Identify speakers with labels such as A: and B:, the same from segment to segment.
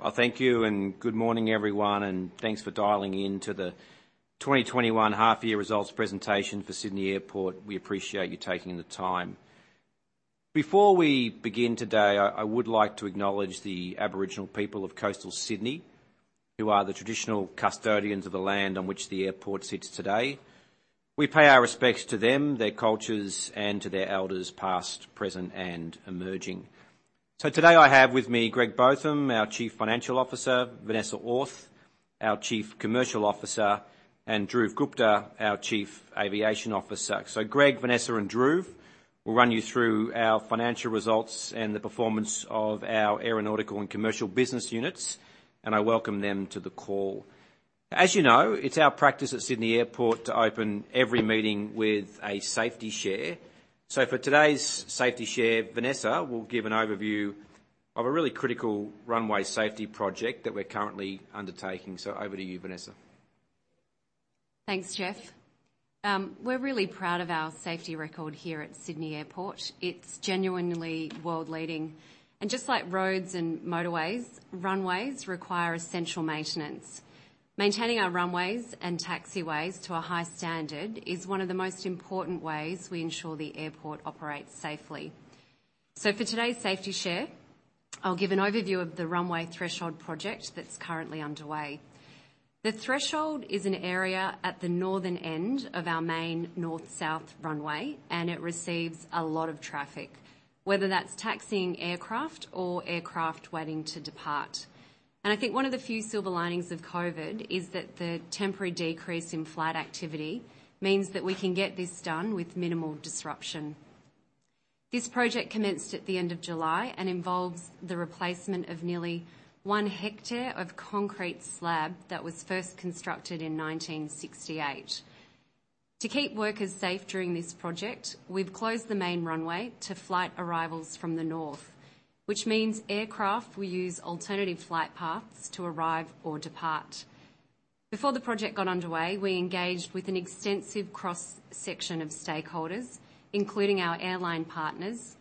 A: Well, thank you, good morning, everyone, thanks for dialing in to the 2021 half-year results presentation for Sydney Airport. We appreciate you taking the time. Before we begin today, I would like to acknowledge th Aboriginal people of coastal Sydney, who are the traditional custodians of the land on which the airport sits today. We pay our respects to them, their cultures, and to their elders past, present, and emerging. Today I have with me Greg Botham, our Chief Financial Officer, Vanessa Orth, our Chief Commercial Officer, and Dhruv Gupta, our Chief Aviation Officer. Greg, Vanessa, and Dhruv will run you through our financial results and the performance of our aeronautical and commercial business units, I welcome them to the call. As you know, it's our practice at Sydney Airport to open every meeting with a safety share. For today's safety share, Vanessa will give an overview of a really critical runway safety project that we're currently undertaking. Over to you, Vanessa.
B: Thanks, Geoff. We're really proud of our safety record here at Sydney Airport. It's genuinely world-leading. Just like roads and motorways, runways require essential maintenance. Maintaining our runways and taxiways to a high standard is one of the most important ways we ensure the airport operates safely. For today's safety share, I'll give an overview of the runway threshold project that's currently underway. The threshold is an area at the northern end of our main north-south runway, and it receives a lot of traffic, whether that's taxiing aircraft or aircraft waiting to depart. I think one of the few silver linings of COVID is that the temporary decrease in flight activity means that we can get this done with minimal disruption. This project commenced at the end of July and involves the replacement of nearly one hectare of concrete slab that was first constructed in 1968. To keep workers safe during this project, we've closed the main runway to flight arrivals from the north, which means aircraft will use alternative flight paths to arrive or depart. Before the project got underway, we engaged with an extensive cross-section of stakeholders, including our airline partners,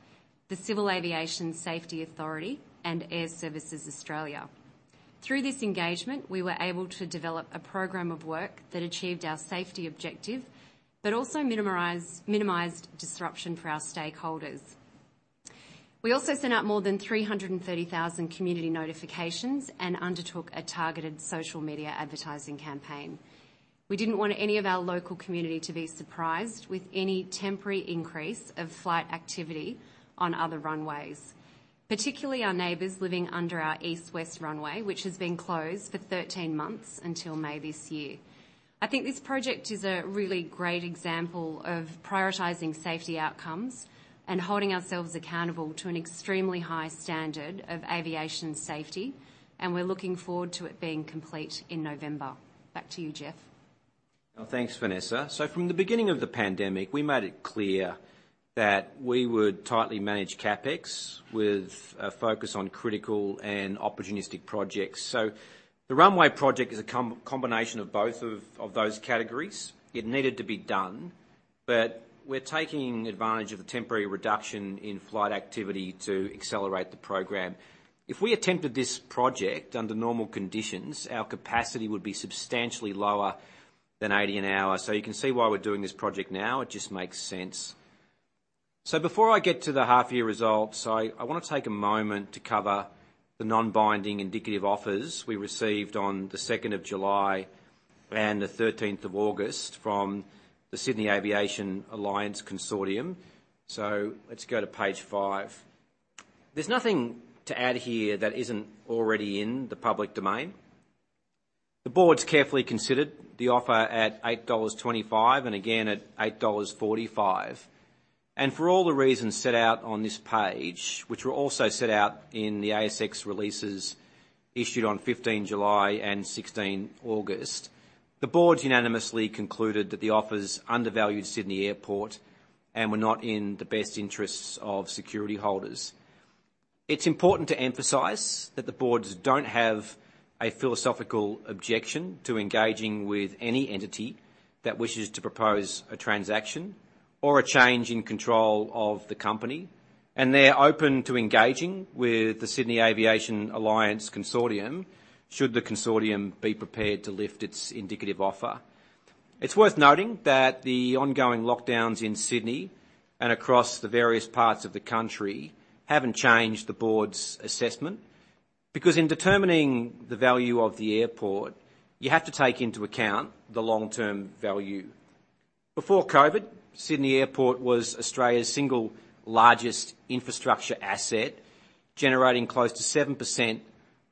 B: the Civil Aviation Safety Authority, and Airservices Australia. Through this engagement, we were able to develop a program of work that achieved our safety objective, but also minimized disruption for our stakeholders. We also sent out more than 330,000 community notifications and undertook a targeted social media advertising campaign. We didn't want any of our local community to be surprised with any temporary increase of flight activity on other runways, particularly our neighbors living under our east-west runway, which has been closed for 13 months until May this year. I think this project is a really great example of prioritizing safety outcomes and holding ourselves accountable to an extremely high standard of aviation safety, and we're looking forward to it being complete in November. Back to you, Geoff.
A: Well, thanks, Vanessa. From the beginning of the pandemic, we made it clear that we would tightly manage CapEx with a focus on critical and opportunistic projects. The runway project is a combination of both of those categories. It needed to be done, but we're taking advantage of the temporary reduction in flight activity to accelerate the program. If we attempted this project under normal conditions, our capacity would be substantially lower than 80 an hour. You can see why we're doing this project now. It just makes sense. Before I get to the half-year results, I want to take a moment to cover the non-binding indicative offers we received on the 2nd of July and the 13th of August from the Sydney Aviation Alliance Consortium. Let's go to page five. There's nothing to add here that isn't already in the public domain. The board's carefully considered the offer at 8.25 dollars and again at 8.45 dollars. For all the reasons set out on this page, which were also set out in the ASX releases issued on 15 July and 16 August, the board unanimously concluded that the offers undervalued Sydney Airport and were not in the best interests of security holders. It's important to emphasize that the boards don't have a philosophical objection to engaging with any entity that wishes to propose a transaction or a change in control of the company, and they're open to engaging with the Sydney Aviation Alliance Consortium, should the consortium be prepared to lift its indicative offer. It's worth noting that the ongoing lockdowns in Sydney and across the various parts of the country haven't changed the board's assessment, because in determining the value of the airport, you have to take into account the long-term value. Before COVID, Sydney Airport was Australia's single largest infrastructure asset, generating close to 7%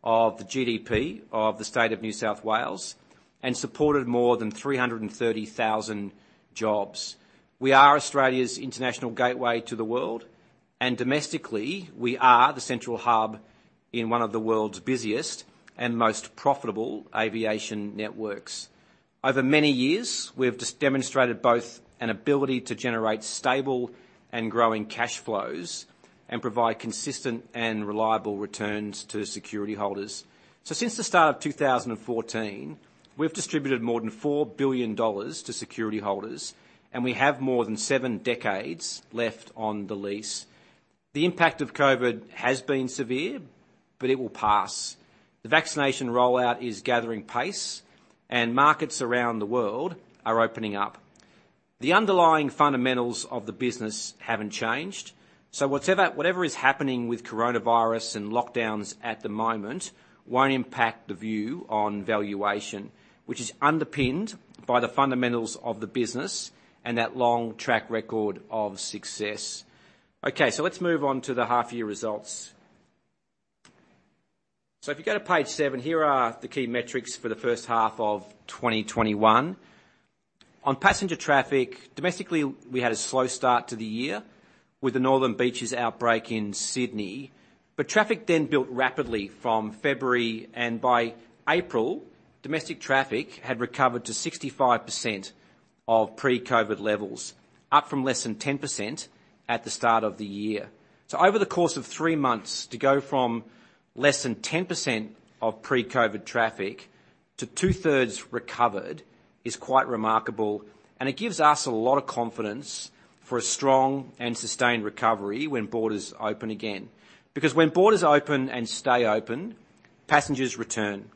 A: of the GDP of the state of New South Wales and supported more than 330,000 jobs. We are Australia's international gateway to the world, and domestically, we are the central hub in one of the world's busiest and most profitable aviation networks. Over many years, we have demonstrated both an ability to generate stable and growing cash flows and provide consistent and reliable returns to security holders. Since the start of 2014, we've distributed more than 4 billion dollars to security holders, and we have more than seven decades left on the lease. The impact of COVID has been severe. It will pass. The vaccination rollout is gathering pace. Markets around the world are opening up. The underlying fundamentals of the business haven't changed. Whatever is happening with COVID and lockdowns at the moment won't impact the view on valuation, which is underpinned by the fundamentals of the business and that long track record of success. Let's move on to the half year results. If you go to page seven, here are the key metrics for the first half of 2021. On passenger traffic, domestically, we had a slow start to the year with the Northern Beaches outbreak in Sydney. Traffic then built rapidly from February, and by April, domestic traffic had recovered to 65% of pre-COVID levels, up from less than 10% at the start of the year. Over the course of three months, to go from less than 10% of pre-COVID traffic to two-thirds recovered is quite remarkable, and it gives us a lot of confidence for a strong and sustained recovery when borders open again. When borders open and stay open, passengers return,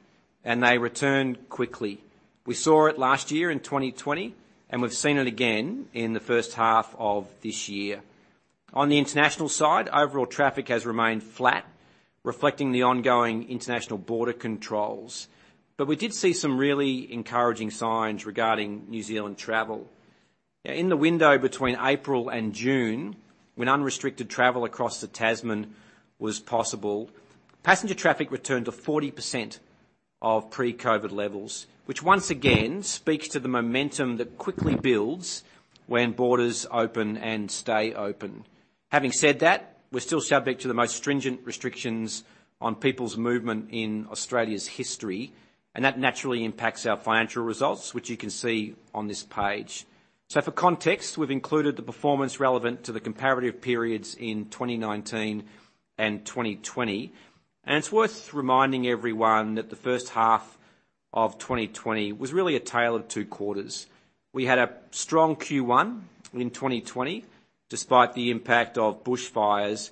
A: and they return quickly. We saw it last year in 2020, and we've seen it again in the first half of this year. On the international side, overall traffic has remained flat, reflecting the ongoing international border controls. We did see some really encouraging signs regarding New Zealand travel. In the window between April and June, when unrestricted travel across to Tasman was possible, passenger traffic returned to 40% of pre-COVID levels, which once again speaks to the momentum that quickly builds when borders open and stay open. Having said that, we're still subject to the most stringent restrictions on people's movement in Australia's history, and that naturally impacts our financial results, which you can see on this page. For context, we've included the performance relevant to the comparative periods in 2019 and 2020. It's worth reminding everyone that the first half of 2020 was really a tale of two quarters. We had a strong Q1 in 2020, despite the impact of bush fires,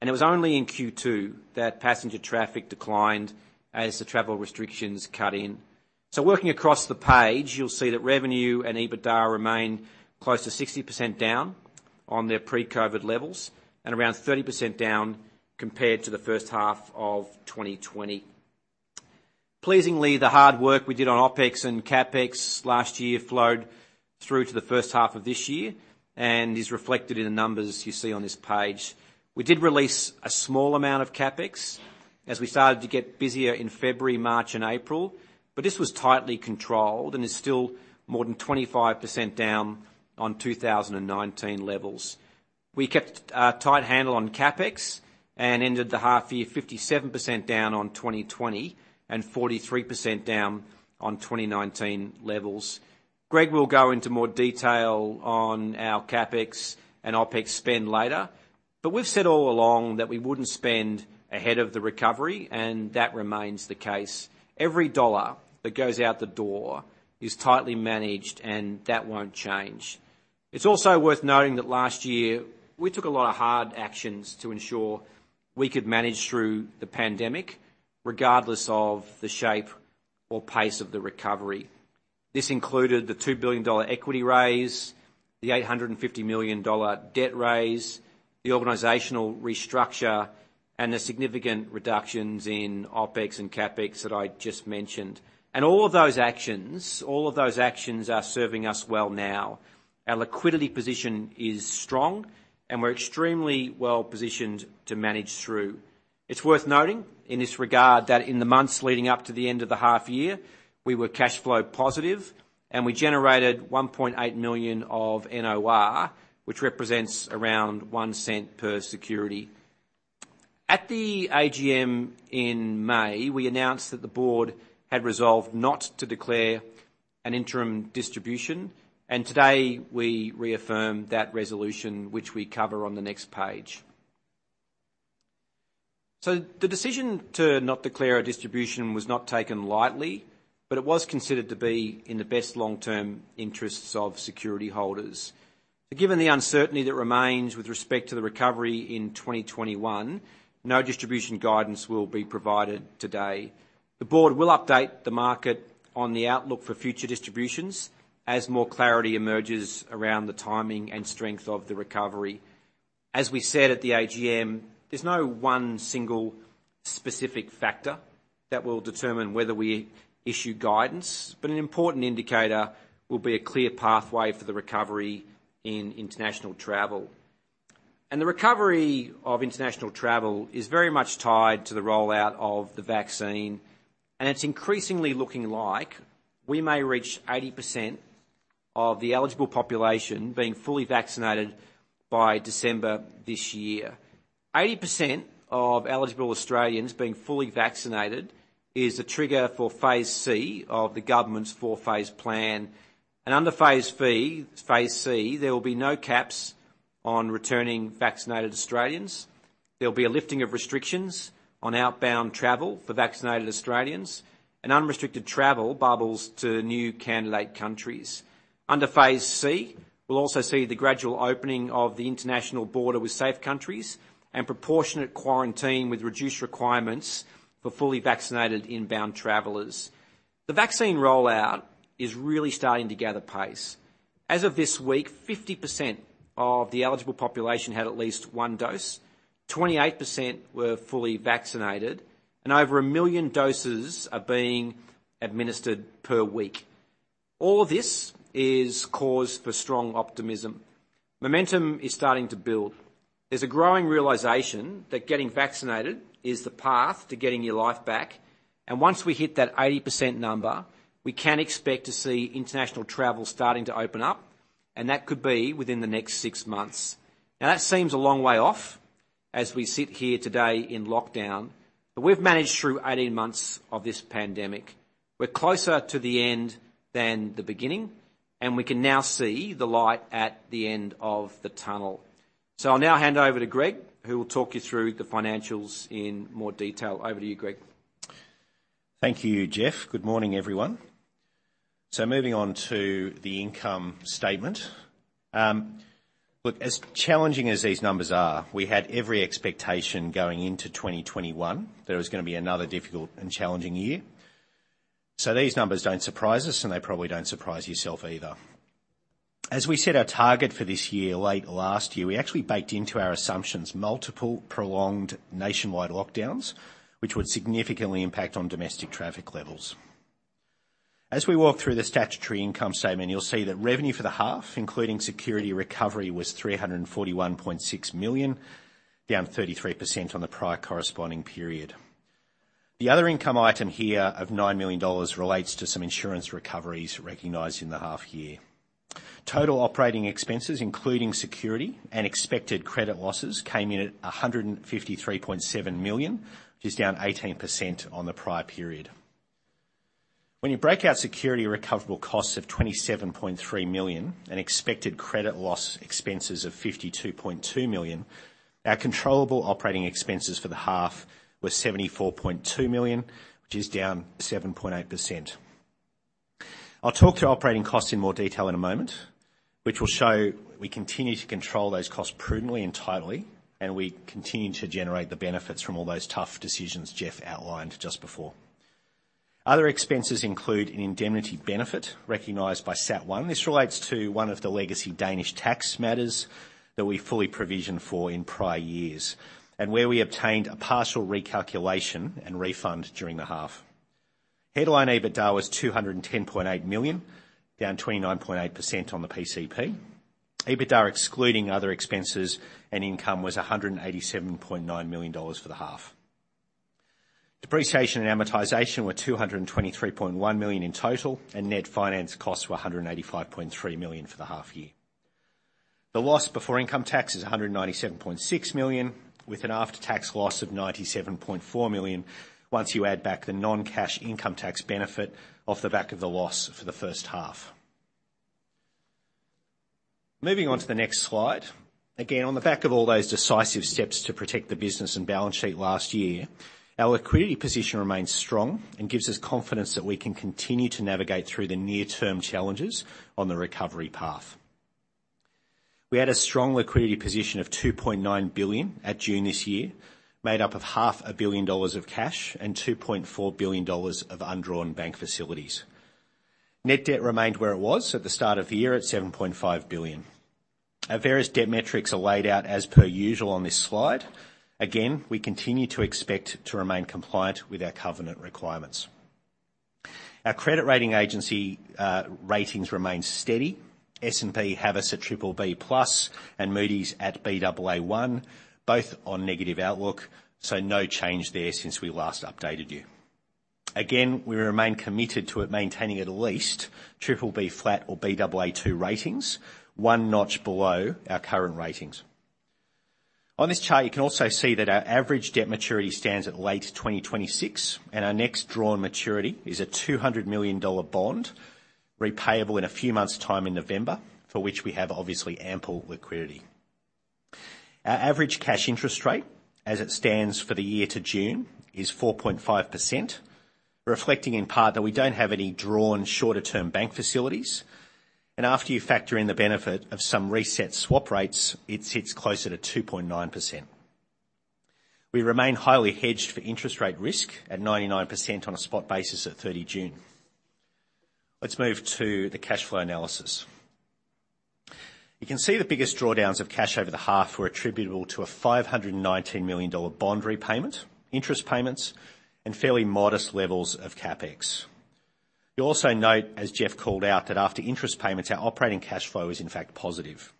A: and it was only in Q2 that passenger traffic declined as the travel restrictions cut in. Working across the page, you'll see that revenue and EBITDA remain close to 60% down on their pre-COVID levels and around 30% down compared to the first half of 2020. Pleasingly, the hard work we did on OpEx and CapEx last year flowed through to the first half of this year and is reflected in the numbers you see on this page. We did release a small amount of CapEx as we started to get busier in February, March, and April, but this was tightly controlled and is still more than 25% down on 2019 levels. We kept a tight handle on CapEx and ended the half year 57% down on 2020 and 43% down on 2019 levels. Greg will go into more detail on our CapEx and OpEx spend later, but we've said all along that we wouldn't spend ahead of the recovery, and that remains the case. Every dollar that goes out the door is tightly managed, and that won't change. It's also worth noting that last year we took a lot of hard actions to ensure we could manage through the pandemic, regardless of the shape or pace of the recovery. This included the 2 billion dollar equity raise, the 850 million dollar debt raise, the organizational restructure, and the significant reductions in OpEx and CapEx that I just mentioned. All of those actions are serving us well now. Our liquidity position is strong, and we're extremely well positioned to manage through. It's worth noting in this regard that in the months leading up to the end of the half year, we were cash flow positive, and we generated 1.8 million of NOR, which represents around 0.01 per security. At the AGM in May, we announced that the board had resolved not to declare an interim distribution, today we reaffirm that resolution, which we cover on the next page. The decision to not declare a distribution was not taken lightly, it was considered to be in the best long-term interests of security holders. Given the uncertainty that remains with respect to the recovery in 2021, no distribution guidance will be provided today. The board will update the market on the outlook for future distributions as more clarity emerges around the timing and strength of the recovery. As we said at the AGM, there's no one single specific factor that will determine whether we issue guidance, but an important indicator will be a clear pathway for the recovery in international travel. The recovery of international travel is very much tied to the rollout of the vaccine, and it's increasingly looking like we may reach 80% of the eligible population being fully vaccinated by December this year. 80% of eligible Australians being fully vaccinated is the trigger for Phase C of the government's four-phase plan. Under Phase C, there will be no caps on returning vaccinated Australians. There will be a lifting of restrictions on outbound travel for vaccinated Australians, and unrestricted travel bubbles to new candidate countries. Under Phase C, we'll also see the gradual opening of the international border with safe countries and proportionate quarantine with reduced requirements for fully vaccinated inbound travelers. The vaccine rollout is really starting to gather pace. As of this week, 50% of the eligible population had at least one dose, 28% were fully vaccinated, and over one million doses are being administered per week. All this is cause for strong optimism. Momentum is starting to build. There's a growing realization that getting vaccinated is the path to getting your life back. Once we hit that 80% number, we can expect to see international travel starting to open up, and that could be within the next six months. That seems a long way off as we sit here today in lockdown, but we've managed through 18 months of this pandemic. We're closer to the end than the beginning, and we can now see the light at the end of the tunnel. I'll now hand over to Greg, who will talk you through the financials in more detail. Over to you, Greg.
C: Thank you, Geoff. Good morning, everyone. Moving on to the income statement. Look, as challenging as these numbers are, we had every expectation going into 2021 that it was going to be another difficult and challenging year. These numbers don't surprise us, and they probably don't surprise yourself either. As we set our target for this year late last year, we actually baked into our assumptions multiple prolonged nationwide lockdowns, which would significantly impact on domestic traffic levels. As we walk through the statutory income statement, you'll see that revenue for the half, including security recovery, was 341.6 million, down 33% on the prior corresponding period. The other income item here of 9 million dollars relates to some insurance recoveries recognized in the half year. Total operating expenses, including security and expected credit losses, came in at 153.7 million, which is down 18% on the prior period. When you break out security recoverable costs of 27.3 million and expected credit loss expenses of 52.2 million, our controllable operating expenses for the half were 74.2 million, which is down 7.8%. I'll talk through operating costs in more detail in a moment, which will show we continue to control those costs prudently and tightly, and we continue to generate the benefits from all those tough decisions Geoff outlined just before. Other expenses include an indemnity benefit recognized by SAT1. This relates to one of the legacy Danish tax matters that we fully provisioned for in prior years, and where we obtained a partial recalculation and refund during the half. Headline EBITDA was 210.8 million, down 29.8% on the PCP. EBITDA excluding other expenses and income was 187.9 million dollars for the half. Depreciation and amortization were 223.1 million in total. Net finance costs were 185.3 million for the half year. The loss before income tax is 197.6 million, with an after-tax loss of 97.4 million once you add back the non-cash income tax benefit off the back of the loss for the first half. Moving on to the next slide. Again, on the back of all those decisive steps to protect the business and balance sheet last year, our liquidity position remains strong and gives us confidence that we can continue to navigate through the near-term challenges on the recovery path. We had a strong liquidity position of AUD 2.9 billion at June this year, made up of half a billion dollars of cash and AUD 2.4 billion of undrawn bank facilities. Net debt remained where it was at the start of the year at AUD 7.5 billion. Our various debt metrics are laid out as per usual on this slide. We continue to expect to remain compliant with our covenant requirements. Our credit rating agency ratings remain steady. S&P have us at BBB+, and Moody's at Baa1, both on negative outlook. No change there since we last updated you. We remain committed to maintaining at least BBB flat or Baa2 ratings, one notch below our current ratings. On this chart, you can also see that our average debt maturity stands at late 2026, and our next drawn maturity is an 200 million dollar bond repayable in a few months time in November, for which we have obviously ample liquidity. Our average cash interest rate as it stands for the year to June is 4.5%, reflecting in part that we don't have any drawn shorter-term bank facilities. After you factor in the benefit of some reset swap rates, it sits closer to 2.9%. We remain highly hedged for interest rate risk at 99% on a spot basis at 30 June. Let's move to the cash flow analysis. You can see the biggest drawdowns of cash over the half were attributable to a 519 million dollar bond repayment, interest payments, and fairly modest levels of CapEx. You'll also note, as Geoff called out, that after interest payments, our operating cash flow is in fact positive.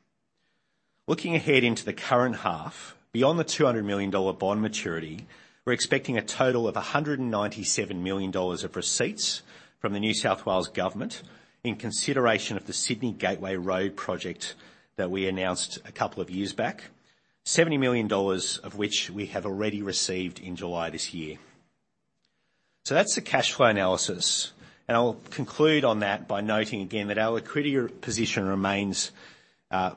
C: Looking ahead into the current half, beyond the 200 million dollar bond maturity, we're expecting a total of 197 million dollars of receipts from the New South Wales government in consideration of the Sydney Gateway road project that we announced a couple of years back, 70 million dollars of which we have already received in July this year. That's the cash flow analysis. I'll conclude on that by noting again that our liquidity position remains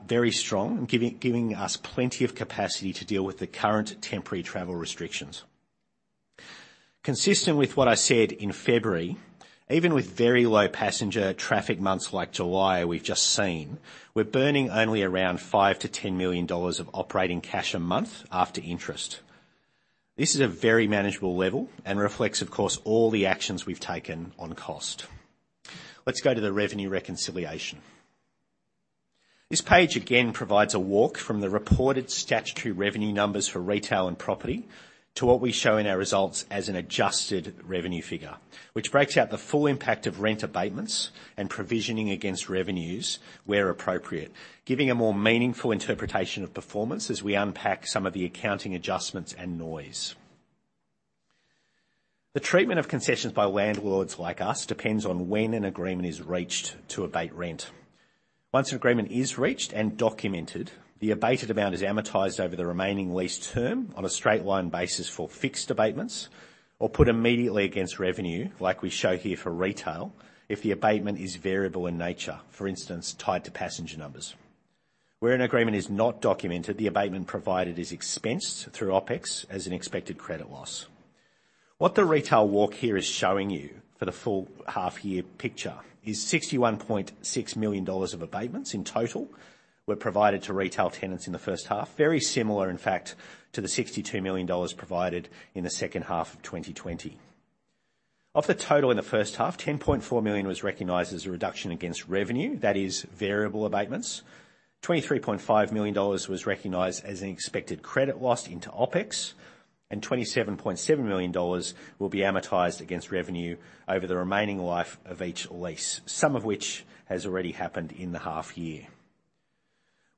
C: very strong, giving us plenty of capacity to deal with the current temporary travel restrictions. Consistent with what I said in February, even with very low passenger traffic months like July we've just seen, we're burning only around 5 million-10 million dollars of operating cash a month after interest. This is a very manageable level and reflects, of course, all the actions we've taken on cost. Let's go to the revenue reconciliation. This page, again, provides a walk from the reported statutory revenue numbers for retail and property to what we show in our results as an adjusted revenue figure, which breaks out the full impact of rent abatements and provisioning against revenues where appropriate, giving a more meaningful interpretation of performance as we unpack some of the accounting adjustments and noise. The treatment of concessions by landlords like us depends on when an agreement is reached to abate rent. Once an agreement is reached and documented, the abated amount is amortized over the remaining lease term on a straight line basis for fixed abatements or put immediately against revenue, like we show here for retail, if the abatement is variable in nature, for instance, tied to passenger numbers. Where an agreement is not documented, the abatement provided is expensed through OpEx as an expected credit loss. What the retail walk here is showing you for the full half year picture is 61.6 million dollars of abatements in total were provided to retail tenants in the first half, very similar, in fact, to the 62 million dollars provided in the second half of 2020. Of the total in the first half, 10.4 million was recognized as a reduction against revenue. That is variable abatements. 23.5 million dollars was recognized as an expected credit loss into OpEx, and 27.7 million dollars will be amortized against revenue over the remaining life of each lease, some of which has already happened in the half year.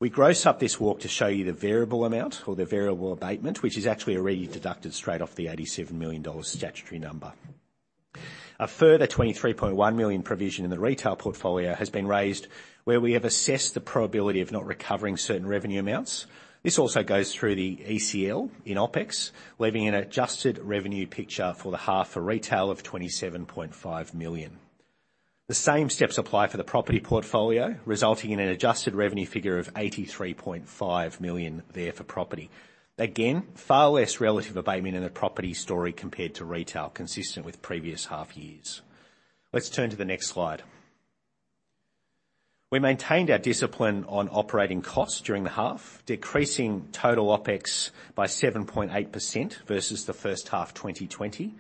C: We gross up this walk to show you the variable amount or the variable abatement, which is actually already deducted straight off the AUD 87 million statutory number. A further AUD 23.1 million provision in the retail portfolio has been raised where we have assessed the probability of not recovering certain revenue amounts. This also goes through the ECL in OpEx, leaving an adjusted revenue picture for the half for retail of 27.5 million. The same steps apply for the property portfolio, resulting in an adjusted revenue figure of 83.5 million there for property. Again, far less relative abatement in the property story compared to retail, consistent with previous half years. Let's turn to the next slide. We maintained our discipline on operating costs during the half, decreasing total OpEx by 7.8% versus the first half 2020.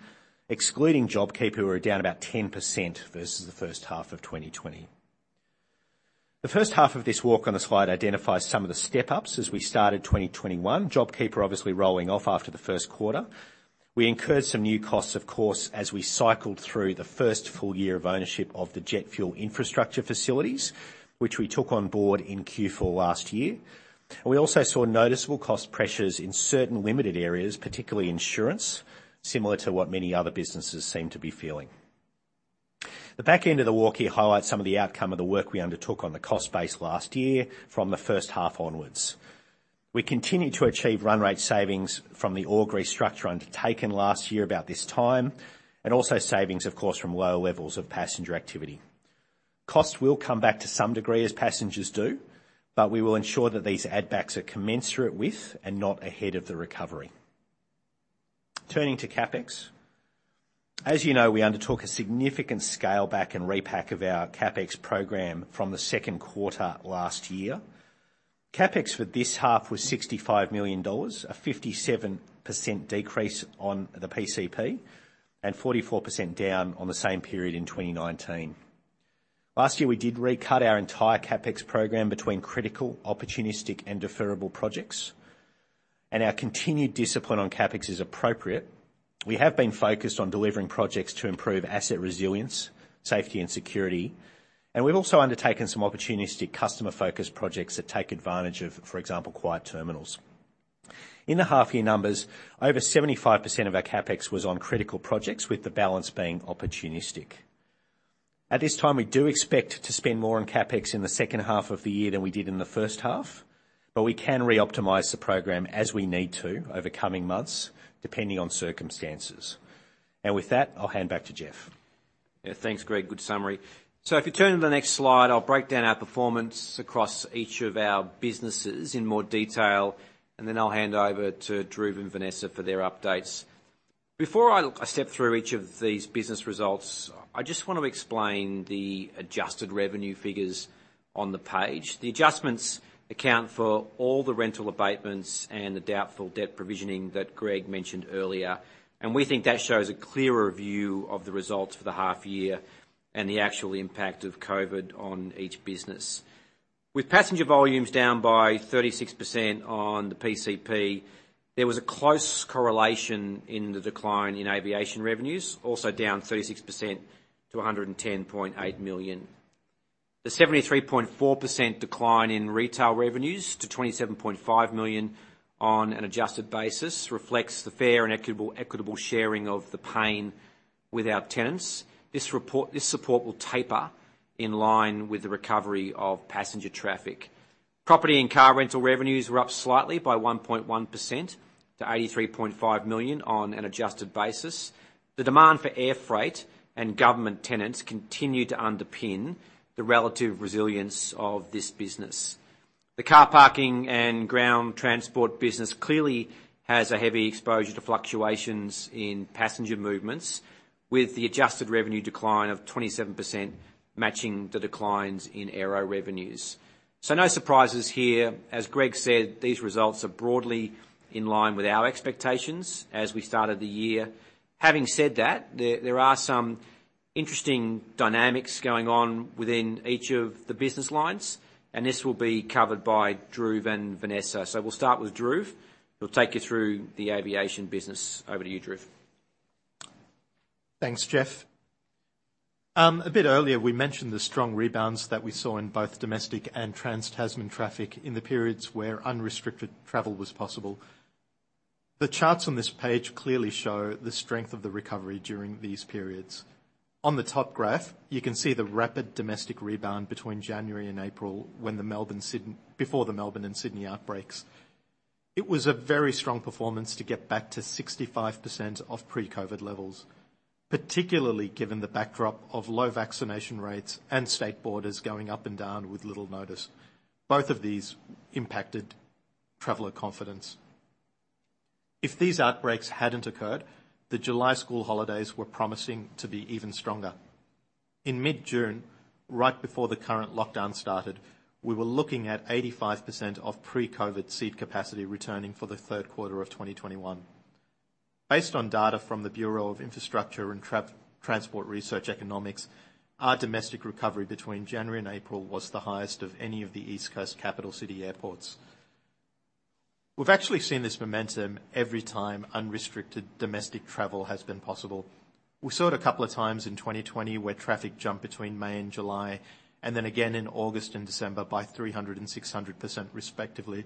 C: Excluding JobKeeper, we're down about 10% versus the first half of 2020. The first half of this walk on the slide identifies some of the step-ups as we started 2021, JobKeeper obviously rolling off after the first quarter. We incurred some new costs, of course, as we cycled through the first full year of ownership of the jet fuel infrastructure facilities, which we took on board in Q4 last year. We also saw noticeable cost pressures in certain limited areas, particularly insurance, similar to what many other businesses seem to be feeling. The back end of the walk here highlights some of the outcome of the work we undertook on the cost base last year from the first half onwards. We continued to achieve run rate savings from the org restructure undertaken last year about this time, and also savings, of course, from lower levels of passenger activity. Costs will come back to some degree as passengers do, but we will ensure that these add backs are commensurate with and not ahead of the recovery. Turning to CapEx. As you know, we undertook a significant scale back and repack of our CapEx program from the second quarter last year. CapEx for this half was 65 million dollars, a 57% decrease on the PCP and 44% down on the same period in 2019. Last year, we did recut our entire CapEx program between critical, opportunistic, and deferrable projects, and our continued discipline on CapEx is appropriate. We have been focused on delivering projects to improve asset resilience, safety, and security, and we've also undertaken some opportunistic customer-focused projects that take advantage of, for example, quiet terminals. In the half year numbers, over 75% of our CapEx was on critical projects, with the balance being opportunistic. At this time, we do expect to spend more on CapEx in the second half of the year than we did in the first half. We can re-optimize the program as we need to over coming months, depending on circumstances. With that, I'll hand back to Geoff.
A: Thanks, Greg. Good summary. If you turn to the next slide, I'll break down our performance across each of our businesses in more detail, and then I'll hand over to Dhruv and Vanessa for their updates. Before I step through each of these business results, I just want to explain the adjusted revenue figures on the page. The adjustments account for all the rental abatements and the doubtful debt provisioning that Greg mentioned earlier, and we think that shows a clearer view of the results for the half year and the actual impact of COVID on each business. With passenger volumes down by 36% on the PCP, there was a close correlation in the decline in aviation revenues, also down 36% to 110.8 million. The 73.4% decline in retail revenues to 27.5 million on an adjusted basis reflects the fair and equitable sharing of the pain with our tenants. This support will taper in line with the recovery of passenger traffic. Property and car rental revenues were up slightly by 1.1% to 83.5 million on an adjusted basis. The demand for air freight and government tenants continued to underpin the relative resilience of this business. The car parking and ground transport business clearly has a heavy exposure to fluctuations in passenger movements, with the adjusted revenue decline of 27% matching the declines in aero revenues. No surprises here. As Greg said, these results are broadly in line with our expectations as we started the year. Having said that, there are some interesting dynamics going on within each of the business lines, and this will be covered by Dhruv and Vanessa. We'll start with Dhruv, who'll take you through the aviation business. Over to you, Dhruv.
D: Thanks, Geoff. A bit earlier, we mentioned the strong rebounds that we saw in both domestic and trans-Tasman traffic in the periods where unrestricted travel was possible. The charts on this page clearly show the strength of the recovery during these periods. On the top graph, you can see the rapid domestic rebound between January and April, before the Melbourne and Sydney outbreaks. It was a very strong performance to get back to 65% of pre-COVID levels, particularly given the backdrop of low vaccination rates and state borders going up and down with little notice. Both of these impacted traveler confidence. If these outbreaks hadn't occurred, the July school holidays were promising to be even stronger. In mid-June, right before the current lockdown started, we were looking at 85% of pre-COVID seat capacity returning for the third quarter of 2021. Based on data from the Bureau of Infrastructure and Transport Research Economics, our domestic recovery between January and April was the highest of any of the East Coast capital city airports. We've actually seen this momentum every time unrestricted domestic travel has been possible. We saw it a couple of times in 2020 where traffic jumped between May and July, and then again in August and December by 300% and 600% respectively.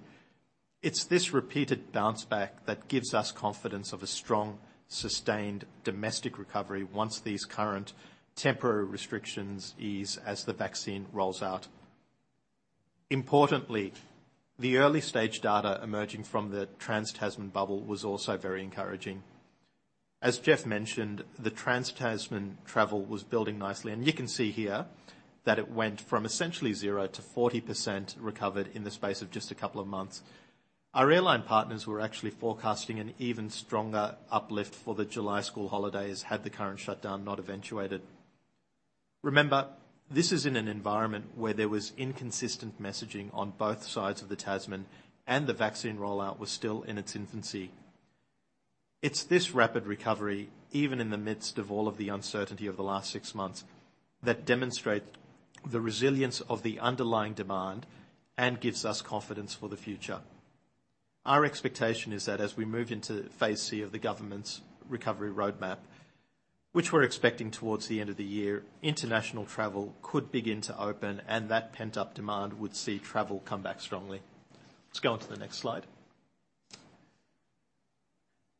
D: It's this repeated bounce back that gives us confidence of a strong, sustained domestic recovery once these current temporary restrictions ease as the vaccine rolls out. Importantly, the early-stage data emerging from the trans-Tasman bubble was also very encouraging. As Geoff mentioned, the trans-Tasman travel was building nicely, and you can see here that it went from essentially 0% to 40% recovered in the space of just a couple of months. Our airline partners were actually forecasting an even stronger uplift for the July school holidays had the current shutdown not eventuated. Remember, this is in an environment where there was inconsistent messaging on both sides of the Tasman and the vaccine rollout was still in its infancy. It's this rapid recovery, even in the midst of all of the uncertainty of the last six months, that demonstrate the resilience of the underlying demand and gives us confidence for the future. Our expectation is that as we move into Phase C of the government's recovery roadmap, which we're expecting towards the end of the year, international travel could begin to open, and that pent-up demand would see travel come back strongly. Let's go on to the next slide.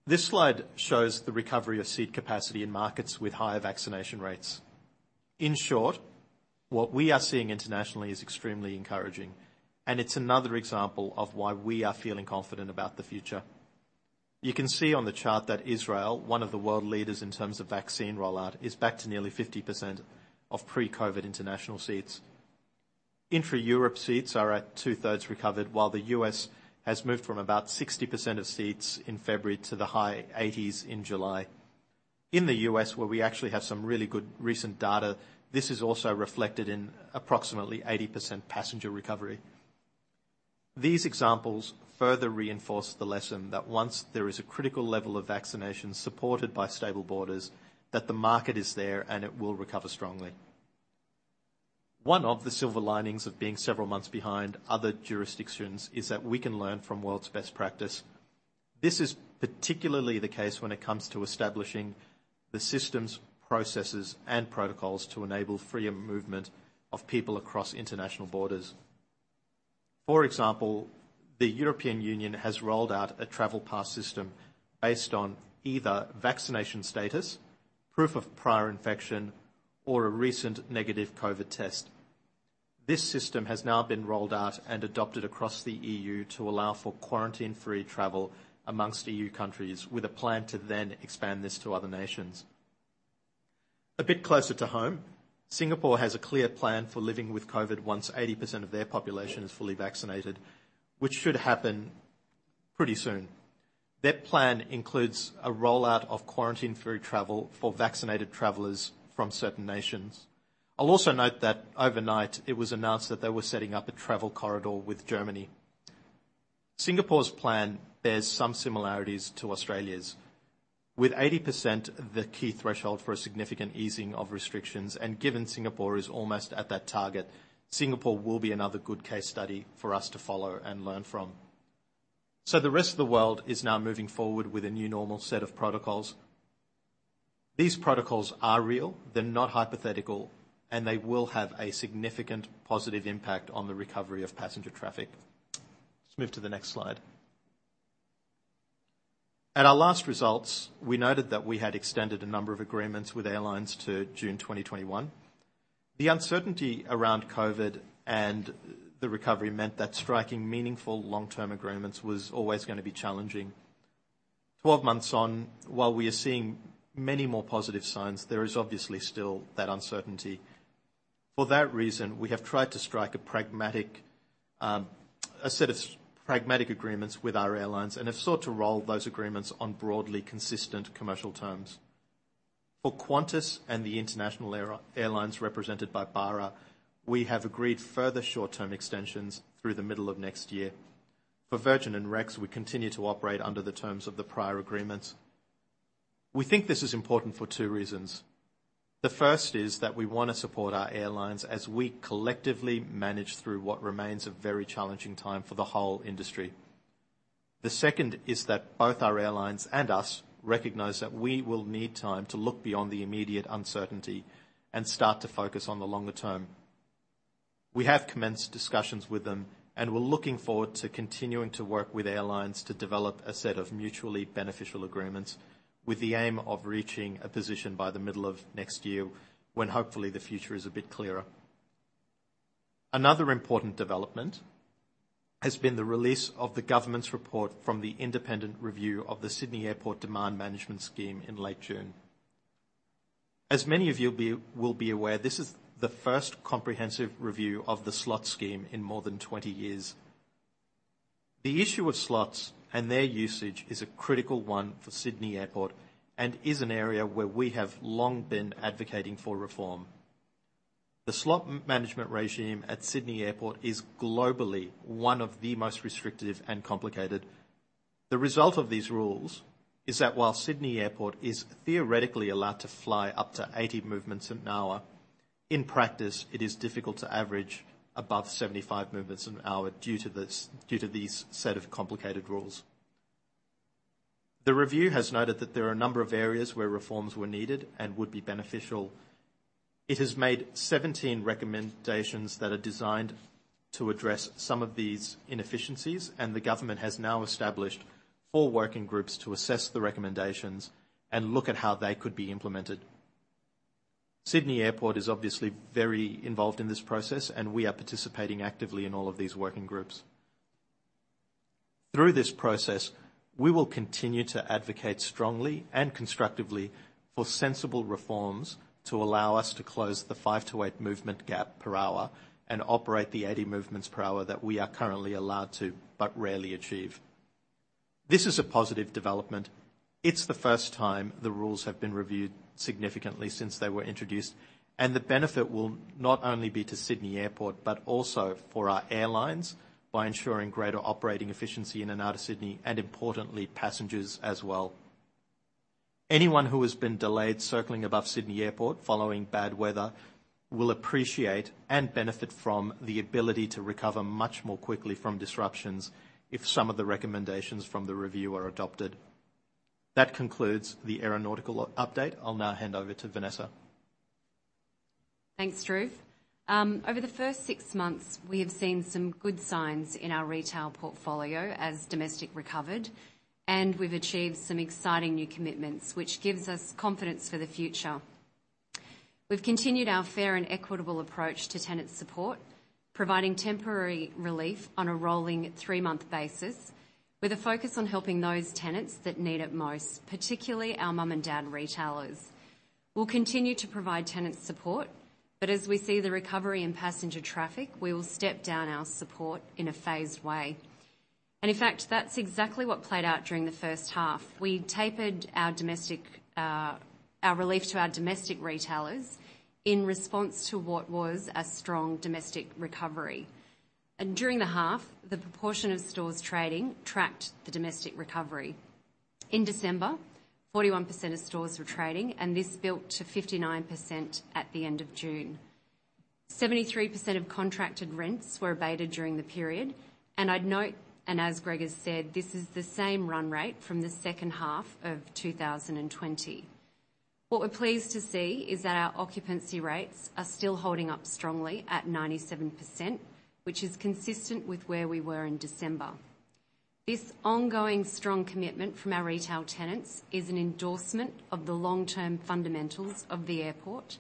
D: This slide shows the recovery of seat capacity in markets with higher vaccination rates. In short, what we are seeing internationally is extremely encouraging, and it's another example of why we are feeling confident about the future. You can see on the chart that Israel, one of the world leaders in terms of vaccine rollout, is back to nearly 50% of pre-COVID international seats. Intra-Europe seats are at two-thirds recovered, while the U.S. has moved from about 60% of seats in February to the high eighties in July. In the U.S., where we actually have some really good recent data, this is also reflected in approximately 80% passenger recovery. These examples further reinforce the lesson that once there is a critical level of vaccination supported by stable borders, that the market is there and it will recover strongly. One of the silver linings of being several months behind other jurisdictions is that we can learn from world's best practice. This is particularly the case when it comes to establishing the systems, processes, and protocols to enable freer movement of people across international borders. For example, the European Union has rolled out a travel pass system based on either vaccination status, proof of prior infection, or a recent negative COVID test. This system has now been rolled out and adopted across the EU to allow for quarantine-free travel amongst EU countries with a plan to then expand this to other nations. A bit closer to home, Singapore has a clear plan for living with COVID once 80% of their population is fully vaccinated, which should happen pretty soon. That plan includes a rollout of quarantine-free travel for vaccinated travelers from certain nations. I'll also note that overnight, it was announced that they were setting up a travel corridor with Germany. Singapore's plan bears some similarities to Australia's. With 80% the key threshold for a significant easing of restrictions, and given Singapore is almost at that target, Singapore will be another good case study for us to follow and learn from. The rest of the world is now moving forward with a new normal set of protocols. These protocols are real, they're not hypothetical, and they will have a significant positive impact on the recovery of passenger traffic. Let's move to the next slide. At our last results, we noted that we had extended a number of agreements with airlines to June 2021. The uncertainty around COVID and the recovery meant that striking meaningful long-term agreements was always going to be challenging. 12 months on, while we are seeing many more positive signs, there is obviously still that uncertainty. For that reason, we have tried to strike a set of pragmatic agreements with our airlines and have sought to roll those agreements on broadly consistent commercial terms. For Qantas and the international airlines represented by BARA, we have agreed further short-term extensions through the middle of next year. For Virgin and Rex, we continue to operate under the terms of the prior agreements. We think this is important for two reasons. The first is that we want to support our airlines as we collectively manage through what remains a very challenging time for the whole industry. The second is that both our airlines and us recognize that we will need time to look beyond the immediate uncertainty and start to focus on the longer term. We have commenced discussions with them, and we're looking forward to continuing to work with airlines to develop a set of mutually beneficial agreements with the aim of reaching a position by the middle of next year when hopefully the future is a bit clearer. Another important development has been the release of the government's report from the independent review of the Sydney Airport Demand Management Scheme in late June. As many of you will be aware, this is the first comprehensive review of the slot scheme in more than 20 years. The issue of slots and their usage is a critical one for Sydney Airport and is an area where we have long been advocating for reform. The slot management regime at Sydney Airport is globally one of the most restrictive and complicated. The result of these rules is that while Sydney Airport is theoretically allowed to fly up to 80 movements an hour, in practice, it is difficult to average above 75 movements an hour due to these set of complicated rules. The review has noted that there are a number of areas where reforms were needed and would be beneficial. It has made 17 recommendations that are designed to address some of these inefficiencies, and the government has now established four working groups to assess the recommendations and look at how they could be implemented. Sydney Airport is obviously very involved in this process, and we are participating actively in all of these working groups. Through this process, we will continue to advocate strongly and constructively for sensible reforms to allow us to close the five to eight movement gap per hour and operate the 80 movements per hour that we are currently allowed to, but rarely achieve. This is a positive development. It's the first time the rules have been reviewed significantly since they were introduced, and the benefit will not only be to Sydney Airport, but also for our airlines by ensuring greater operating efficiency in and out of Sydney, and importantly, passengers as well. Anyone who has been delayed circling above Sydney Airport following bad weather will appreciate and benefit from the ability to recover much more quickly from disruptions if some of the recommendations from the review are adopted. That concludes the aeronautical update. I'll now hand over to Vanessa.
B: Thanks, Dhruv. Over the first six months, we have seen some good signs in our retail portfolio as domestic recovered, we've achieved some exciting new commitments, which gives us confidence for the future. We've continued our fair and equitable approach to tenant support, providing temporary relief on a rolling three-month basis with a focus on helping those tenants that need it most, particularly our mom-and-dad retailers. We'll continue to provide tenant support, as we see the recovery in passenger traffic, we will step down our support in a phased way. In fact, that's exactly what played out during the first half. We tapered our relief to our domestic retailers in response to what was a strong domestic recovery. During the half, the proportion of stores trading tracked the domestic recovery. In December, 41% of stores were trading. This built to 59% at the end of June. 73% of contracted rents were abated during the period. I'd note, as Greg has said, this is the same run rate from the second half of 2020. What we're pleased to see is that our occupancy rates are still holding up strongly at 97%, which is consistent with where we were in December. This ongoing strong commitment from our retail tenants is an endorsement of the long-term fundamentals of the airport.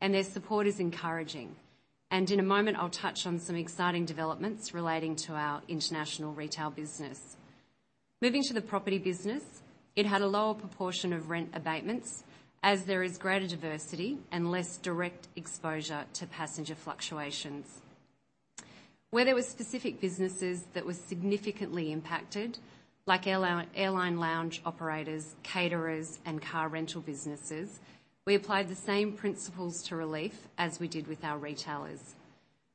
B: Their support is encouraging. In a moment, I'll touch on some exciting developments relating to our international retail business. Moving to the property business, it had a lower proportion of rent abatements, as there is greater diversity and less direct exposure to passenger fluctuations. Where there were specific businesses that were significantly impacted, like airline lounge operators, caterers, and car rental businesses, we applied the same principles to relief as we did with our retailers.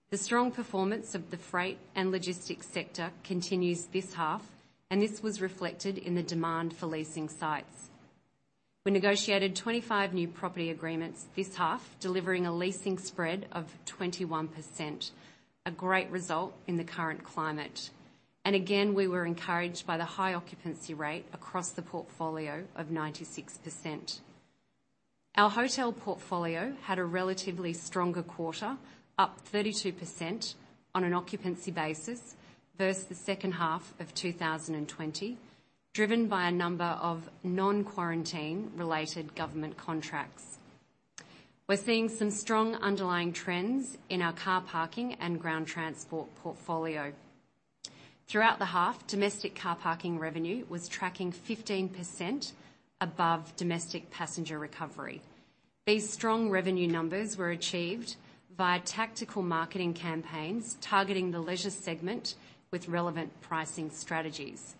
B: The strong performance of the freight and logistics sector continues this half. This was reflected in the demand for leasing sites. We negotiated 25 new property agreements this half, delivering a leasing spread of 21%, a great result in the current climate. Again, we were encouraged by the high occupancy rate across the portfolio of 96%. Our hotel portfolio had a relatively stronger quarter, up 32% on an occupancy basis versus the second half of 2020, driven by a number of non-quarantine related government contracts. We are seeing some strong underlying trends in our car parking and ground transport portfolio. Throughout the half, domestic car parking revenue was tracking 15% above domestic passenger recovery. These strong revenue numbers were achieved via tactical marketing campaigns targeting the leisure segment with relevant pricing strategies.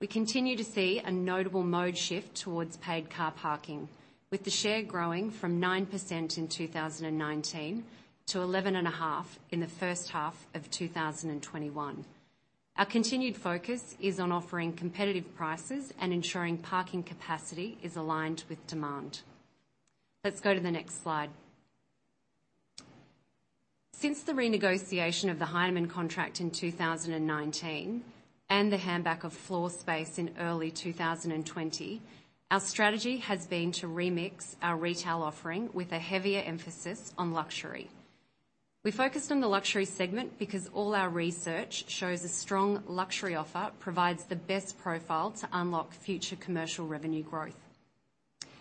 B: We continue to see a notable mode shift towards paid car parking, with the share growing from 9% in 2019 to 11.5% in the first half of 2021. Our continued focus is on offering competitive prices and ensuring parking capacity is aligned with demand. Let's go to the next slide. Since the renegotiation of the Heinemann contract in 2019 and the handback of floor space in early 2020, our strategy has been to remix our retail offering with a heavier emphasis on luxury. We focused on the luxury segment because all our research shows a strong luxury offer provides the best profile to unlock future commercial revenue growth.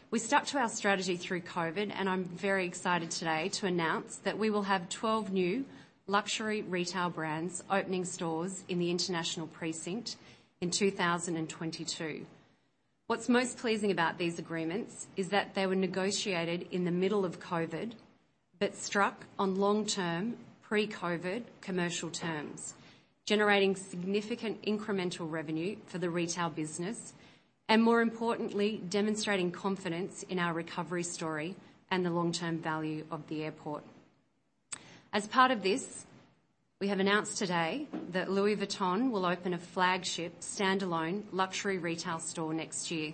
B: We stuck to our strategy through COVID, and I'm very excited today to announce that we will have 12 new luxury retail brands opening stores in the international precinct in 2022. What's most pleasing about these agreements is that they were negotiated in the middle of COVID, but struck on long-term pre-COVID commercial terms, generating significant incremental revenue for the retail business, and more importantly, demonstrating confidence in our recovery story and the long-term value of the airport. As part of this, we have announced today that Louis Vuitton will open a flagship standalone luxury retail store next year.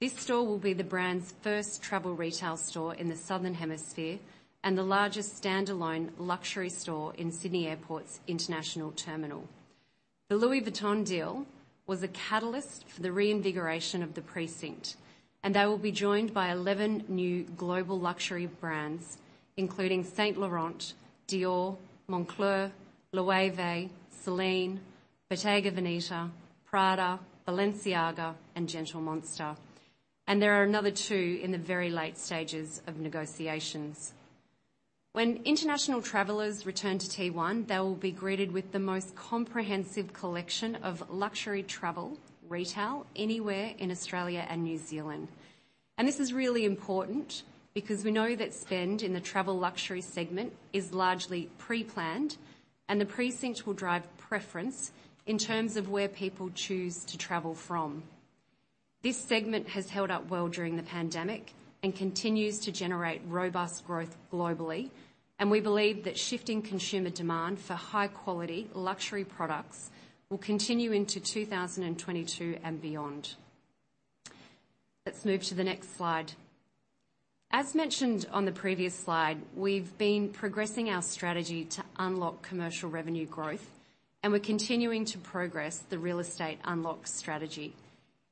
B: This store will be the brand's first travel retail store in the southern hemisphere and the largest standalone luxury store in Sydney Airport's international terminal. The Louis Vuitton deal was the catalyst for the reinvigoration of the precinct, and they will be joined by 11 new global luxury brands, including Saint Laurent, Dior, Moncler, Loewe, Celine, Bottega Veneta, Prada, Balenciaga, and Gentle Monster. There are another two in the very late stages of negotiations. When international travelers return to T1, they will be greeted with the most comprehensive collection of luxury travel retail anywhere in Australia and New Zealand. This is really important because we know that spend in the travel luxury segment is largely pre-planned, and the precinct will drive preference in terms of where people choose to travel from. This segment has held up well during the pandemic and continues to generate robust growth globally, and we believe that shifting consumer demand for high-quality luxury products will continue into 2022 and beyond. Let's move to the next slide. As mentioned on the previous slide, we've been progressing our strategy to unlock commercial revenue growth, and we're continuing to progress the real estate unlock strategy.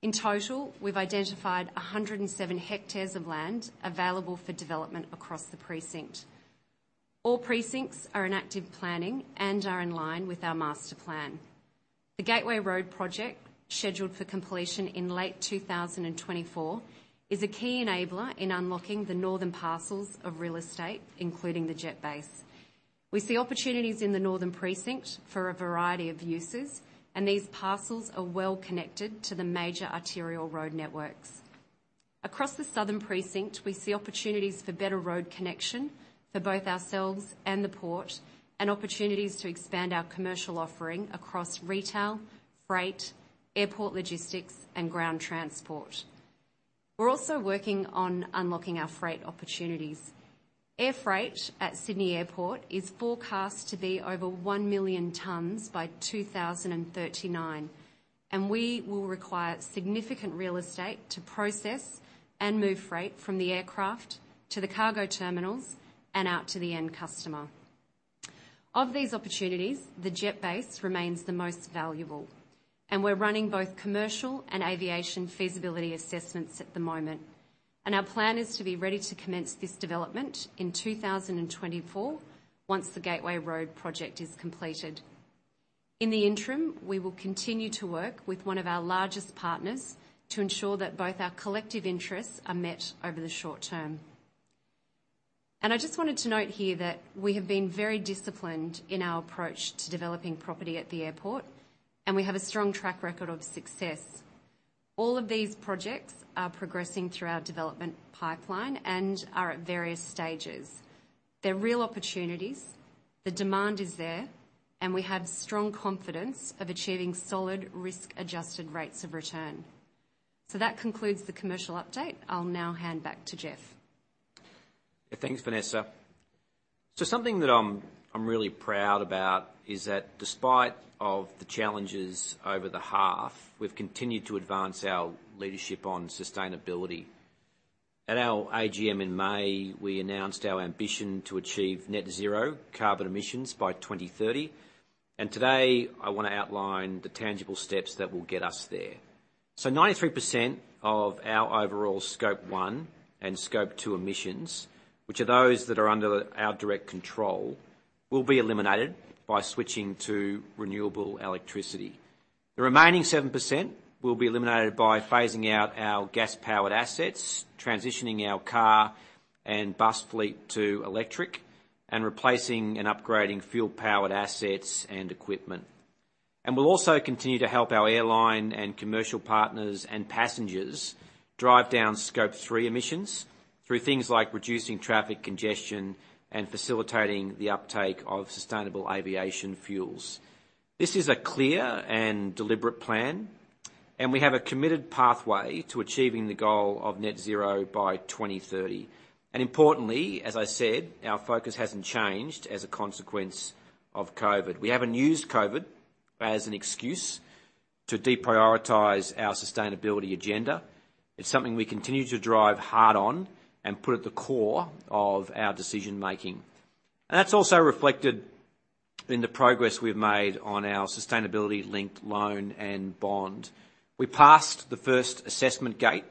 B: In total, we've identified 107 hectares of land available for development across the precinct. All precincts are in active planning and are in line with our master plan. The Gateway Road project, scheduled for completion in late 2024, is a key enabler in unlocking the northern parcels of real estate, including the jet base. These parcels are well connected to the major arterial road networks. Across the southern precinct, we see opportunities for better road connection for both ourselves and the port, and opportunities to expand our commercial offering across retail, freight, airport logistics, and ground transport. We're also working on unlocking our freight opportunities. Air freight at Sydney Airport is forecast to be over 1 million tons by 2039. We will require significant real estate to process and move freight from the aircraft to the cargo terminals and out to the end customer. Of these opportunities, the jet base remains the most valuable. We are running both commercial and aviation feasibility assessments at the moment. Our plan is to be ready to commence this development in 2024 once the Sydney Gateway project is completed. In the interim, we will continue to work with one of our largest partners to ensure that both our collective interests are met over the short term. I just wanted to note here that we have been very disciplined in our approach to developing property at the airport. We have a strong track record of success. All of these projects are progressing through our development pipeline and are at various stages. They're real opportunities, the demand is there, and we have strong confidence of achieving solid risk-adjusted rates of return. That concludes the commercial update. I'll now hand back to Geoff.
A: Thanks, Vanessa. Something that I'm really proud about is that despite of the challenges over the half, we've continued to advance our leadership on sustainability. At our AGM in May, we announced our ambition to achieve net zero carbon emissions by 2030. Today, I wanna outline the tangible steps that will get us there. 93% of our overall Scope 1 and Scope 2 emissions, which are those that are under our direct control, will be eliminated by switching to renewable electricity. The remaining 7% will be eliminated by phasing out our gas-powered assets, transitioning our car and bus fleet to electric, and replacing and upgrading fuel-powered assets and equipment. We'll also continue to help our airline and commercial partners and passengers drive down Scope 3 emissions through things like reducing traffic congestion and facilitating the uptake of sustainable aviation fuels. This is a clear and deliberate plan. We have a committed pathway to achieving the goal of net zero by 2030. Importantly, as I said, our focus hasn't changed as a consequence of COVID. We haven't used COVID as an excuse to deprioritize our sustainability agenda. It's something we continue to drive hard on and put at the core of our decision-making. That's also reflected in the progress we've made on our sustainability-linked loan and bond. We passed the first assessment gate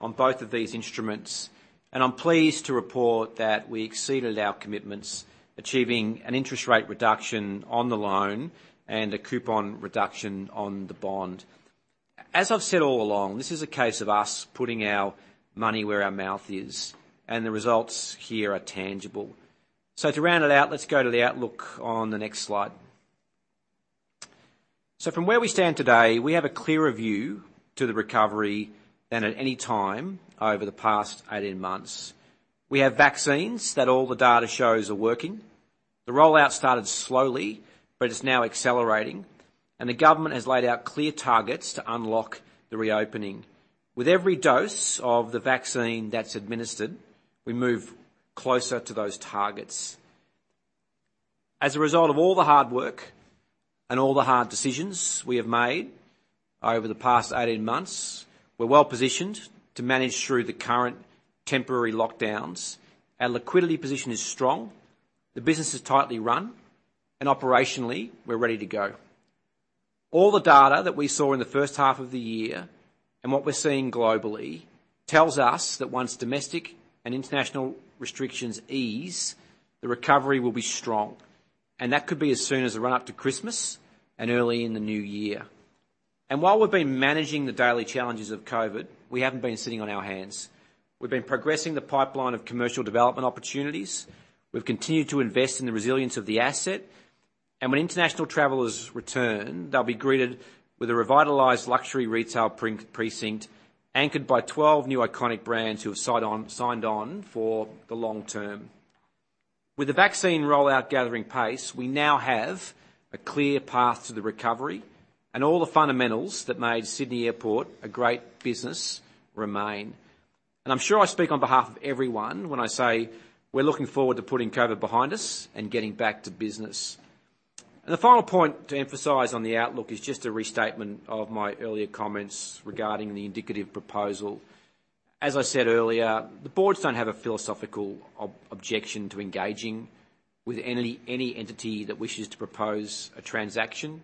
A: on both of these instruments, and I'm pleased to report that we exceeded our commitments, achieving an interest rate reduction on the loan and a coupon reduction on the bond. As I've said all along, this is a case of us putting our money where our mouth is, and the results here are tangible. To round it out, let's go to the outlook on the next slide. From where we stand today, we have a clearer view to the recovery than at any time over the past 18 months. We have vaccines that all the data shows are working. The rollout started slowly, but it's now accelerating, and the government has laid out clear targets to unlock the reopening. With every dose of the vaccine that's administered, we move closer to those targets. As a result of all the hard work and all the hard decisions we have made over the past 18 months, we're well-positioned to manage through the current temporary lockdowns. Our liquidity position is strong, the business is tightly run, and operationally, we're ready to go. All the data that we saw in the first half of the year, and what we're seeing globally, tells us that once domestic and international restrictions ease, the recovery will be strong, and that could be as soon as the run-up to Christmas and early in the new year. While we've been managing the daily challenges of COVID, we haven't been sitting on our hands. We've been progressing the pipeline of commercial development opportunities. We've continued to invest in the resilience of the asset. When international travelers return, they'll be greeted with a revitalized luxury retail precinct, anchored by 12 new iconic brands who have signed on for the long term. With the vaccine rollout gathering pace, we now have a clear path to the recovery, and all the fundamentals that made Sydney Airport a great business remain. I'm sure I speak on behalf of everyone when I say we're looking forward to putting COVID behind us and getting back to business. The final point to emphasize on the outlook is just a restatement of my earlier comments regarding the indicative proposal. As I said earlier, the boards don't have a philosophical objection to engaging with any entity that wishes to propose a transaction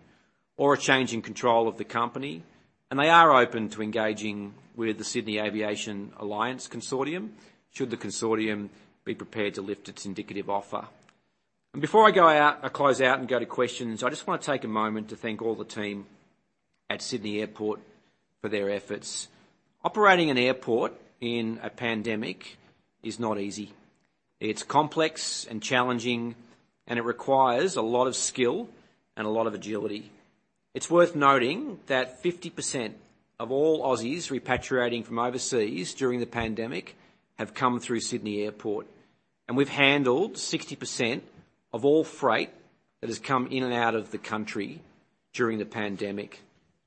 A: or a change in control of the company, and they are open to engaging with the Sydney Aviation Alliance consortium should the consortium be prepared to lift its indicative offer. Before I go out, I close out and go to questions, I just wanna take a moment to thank all the team at Sydney Airport for their efforts. Operating an airport in a pandemic is not easy. It is complex and challenging, and it requires a lot of skill and a lot of agility. It is worth noting that 50% of all Aussies repatriating from overseas during the pandemic have come through Sydney Airport, and we have handled 60% of all freight that has come in and out of the country during the pandemic.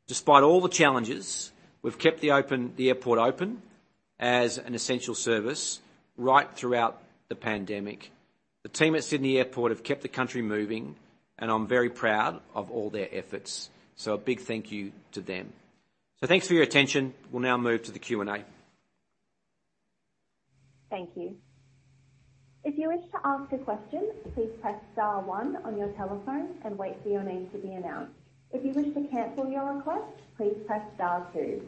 A: Despite all the challenges, we have kept the airport open as an essential service right throughout the pandemic. The team at Sydney Airport have kept the country moving, and I am very proud of all their efforts. A big thank you to them. Thanks for your attention. We will now move to the Q&A.
E: Thank you. If you wish to ask a question, please press star one on your telephone and wait for your name to be announced. If you wish to cancel your request, please press star two.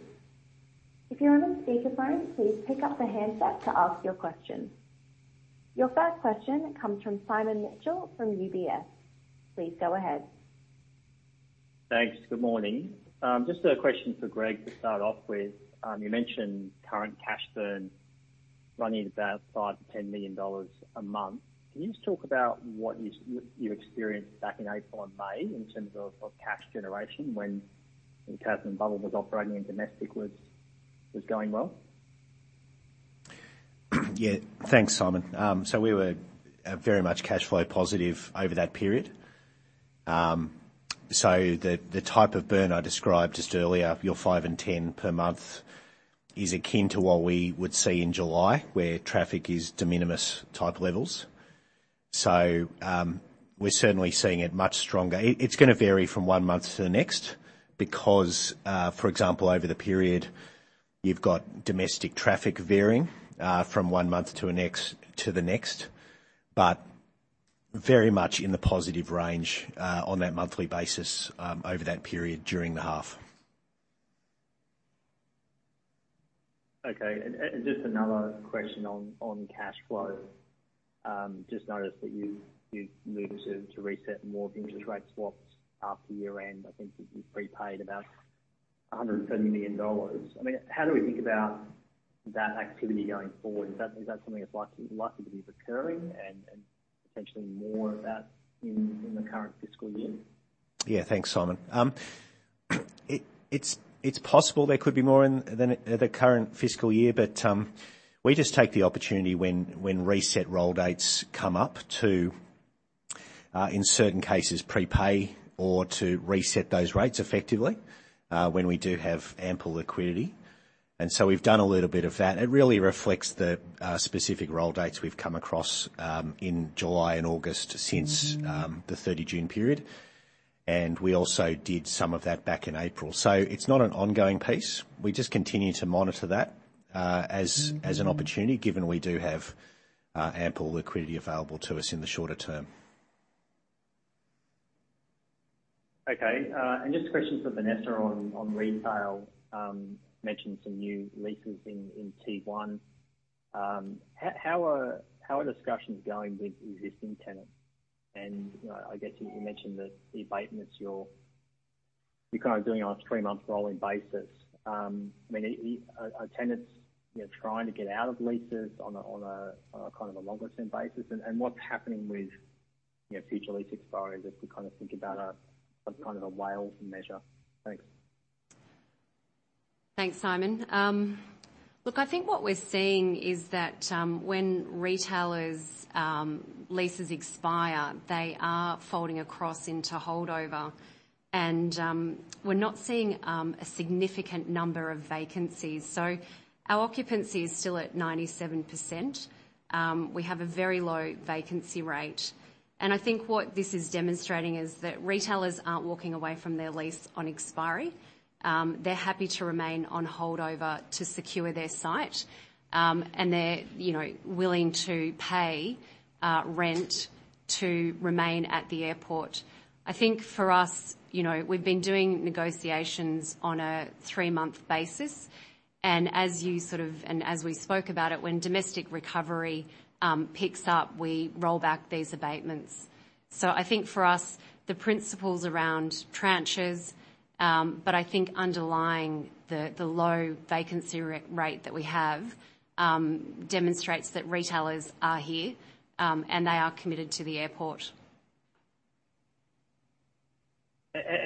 E: If you are on speakerphone, please pick up the handset to ask your question. Your first question comes from Simon Mitchell from UBS. Please go ahead.
F: Thanks. Good morning. Just a question for Greg to start off with. You mentioned current cash burn running about 5 million-10 million dollars a month. Can you just talk about what you experienced back in April and May in terms of cash generation when the Tasman bubble was operating and domestic was going well?
C: Yeah, thanks, Simon. We were very much cash flow positive over that period. The type of burn I described just earlier, your 5 million and 10 million per month, is akin to what we would see in July, where traffic is de minimis type levels. We are certainly seeing it much stronger. It's gonna vary from one month to the next because, for example, over the period. You've got domestic traffic varying from one month to the next, but very much in the positive range on that monthly basis over that period during the half.
F: Okay. Just another question on cash flow. Just noticed that you've moved to reset more of the interest rate swaps after year-end. I think you've prepaid about 130 million dollars. How do we think about that activity going forward? Is that something that's likely to be recurring and potentially more of that in the current fiscal year?
C: Yeah, thanks, Simon. It's possible there could be more in the current fiscal year. We just take the opportunity when reset roll dates come up to, in certain cases, prepay or to reset those rates effectively, when we do have ample liquidity. We've done a little bit of that. It really reflects the specific roll dates we've come across in July and August since the 30 June period. We also did some of that back in April. It's not an ongoing piece. We just continue to monitor that as an opportunity, given we do have ample liquidity available to us in the shorter term.
F: Okay. Just a question for Vanessa on retail. Mentioned some new leases in T1. How are discussions going with existing tenants? I guess you mentioned that the abatements, you're kind of doing it on a three-month rolling basis. Are tenants trying to get out of leases on a longer-term basis? What's happening with future lease expiries as we think about a WALE measure? Thanks.
B: Thanks, Simon. I think what we're seeing is that when retailers' leases expire, they are folding across into holdover. We're not seeing a significant number of vacancies. Our occupancy is still at 97%. We have a very low vacancy rate. I think what this is demonstrating is that retailers aren't walking away from their lease on expiry. They're happy to remain on holdover to secure their site, and they're willing to pay rent to remain at the airport. I think for us, we've been doing negotiations on a three-month basis, and as we spoke about it, when domestic recovery picks up, we roll back these abatements. I think for us, the principles around tranches, but I think underlying the low vacancy rate that we have demonstrates that retailers are here, and they are committed to the airport.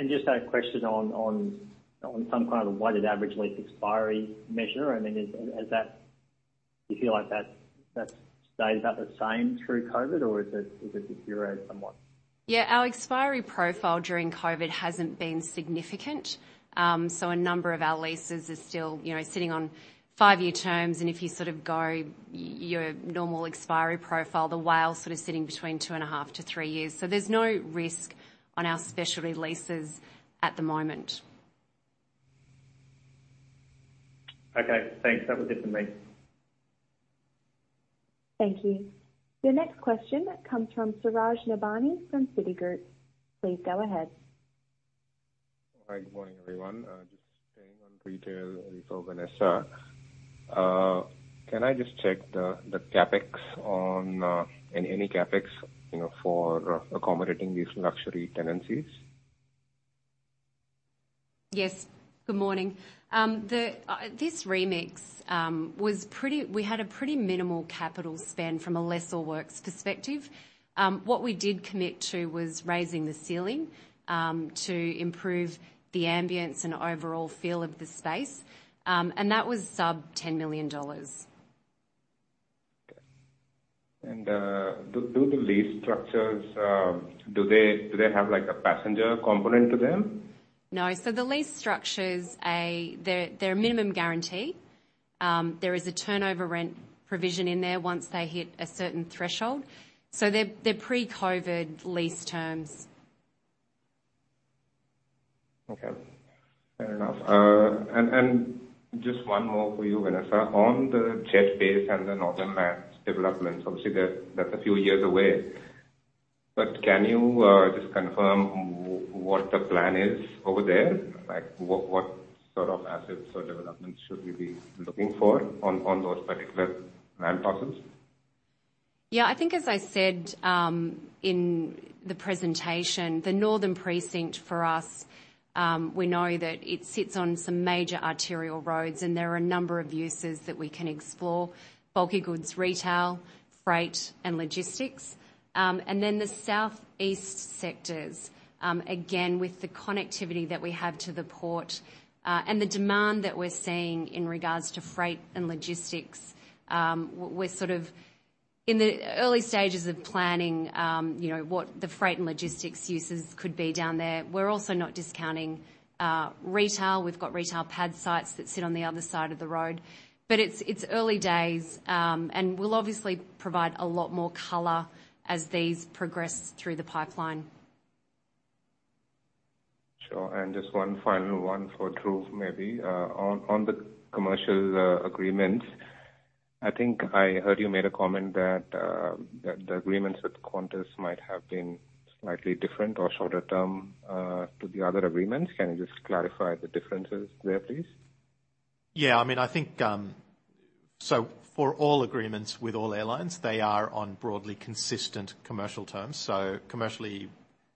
F: Just a question on some kind of a Weighted Average Lease Expiry measure. Do you feel like that stays about the same through COVID, or has it deteriorated somewhat?
B: Yeah, our expiry profile during COVID hasn't been significant. A number of our leases are still sitting on five-year terms, and if you go your normal expiry profile, the WALE's sitting between two and a half to three years. There's no risk on our specialty leases at the moment.
F: Okay, thanks. That was it for me.
E: Thank you. The next question comes from Suraj Nebhani from Citigroup. Please go ahead.
G: Hi. Good morning, everyone. Just staying on retail info, Vanessa. Can I just check any CapEx for accommodating these luxury tenancies?
B: Yes. Good morning. This remix, we had a pretty minimal capital spend from a lessor works perspective. What we did commit to was raising the ceiling to improve the ambience and overall feel of the space. That was sub AUD 10 million.
G: Okay. Do the lease structures, do they have a passenger component to them?
B: No. The lease structures, they're a minimum guarantee. There is a turnover rent provision in there once they hit a certain threshold. They're pre-COVID lease terms.
G: Okay. Fair enough. Just one more for you, Vanessa. On the Jet Base and the northern lands developments, obviously that's a few years away. Can you just confirm what the plan is over there? Like what sort of assets or developments should we be looking for on those particular land parcels?
B: Yeah, I think as I said in the presentation, the northern precinct for us, we know that it sits on some major arterial roads, and there are a number of uses that we can explore. Bulky goods retail, freight, and logistics. Then the southeast sectors, again, with the connectivity that we have to the port and the demand that we're seeing in regards to freight and logistics, we're in the early stages of planning what the freight and logistics uses could be down there. We're also not discounting retail. We've got retail pad sites that sit on the other side of the road. It's early days, and we'll obviously provide a lot more color as these progress through the pipeline.
G: Sure. Just one final one for Dhruv, maybe. On the commercial agreements, I think I heard you made a comment that the agreements with Qantas might have been slightly different or shorter term to the other agreements. Can you just clarify the differences there, please?
D: Yeah. For all agreements with all airlines, they are on broadly consistent commercial terms, so commercially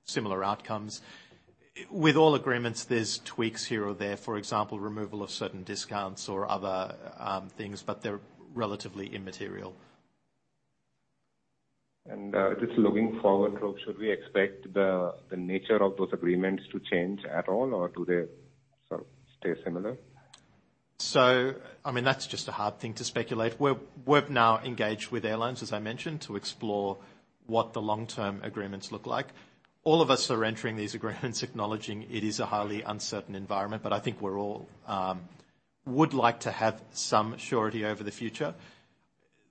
D: similar outcomes. With all agreements, there's tweaks here or there, for example, removal of certain discounts or other things, but they're relatively immaterial.
G: Just looking forward, Dhruv, should we expect the nature of those agreements to change at all, or do they stay similar?
D: That's just a hard thing to speculate. We've now engaged with airlines, as I mentioned, to explore what the long-term agreements look like. All of us are entering these agreements acknowledging it is a highly uncertain environment, but I think we all would like to have some surety over the future.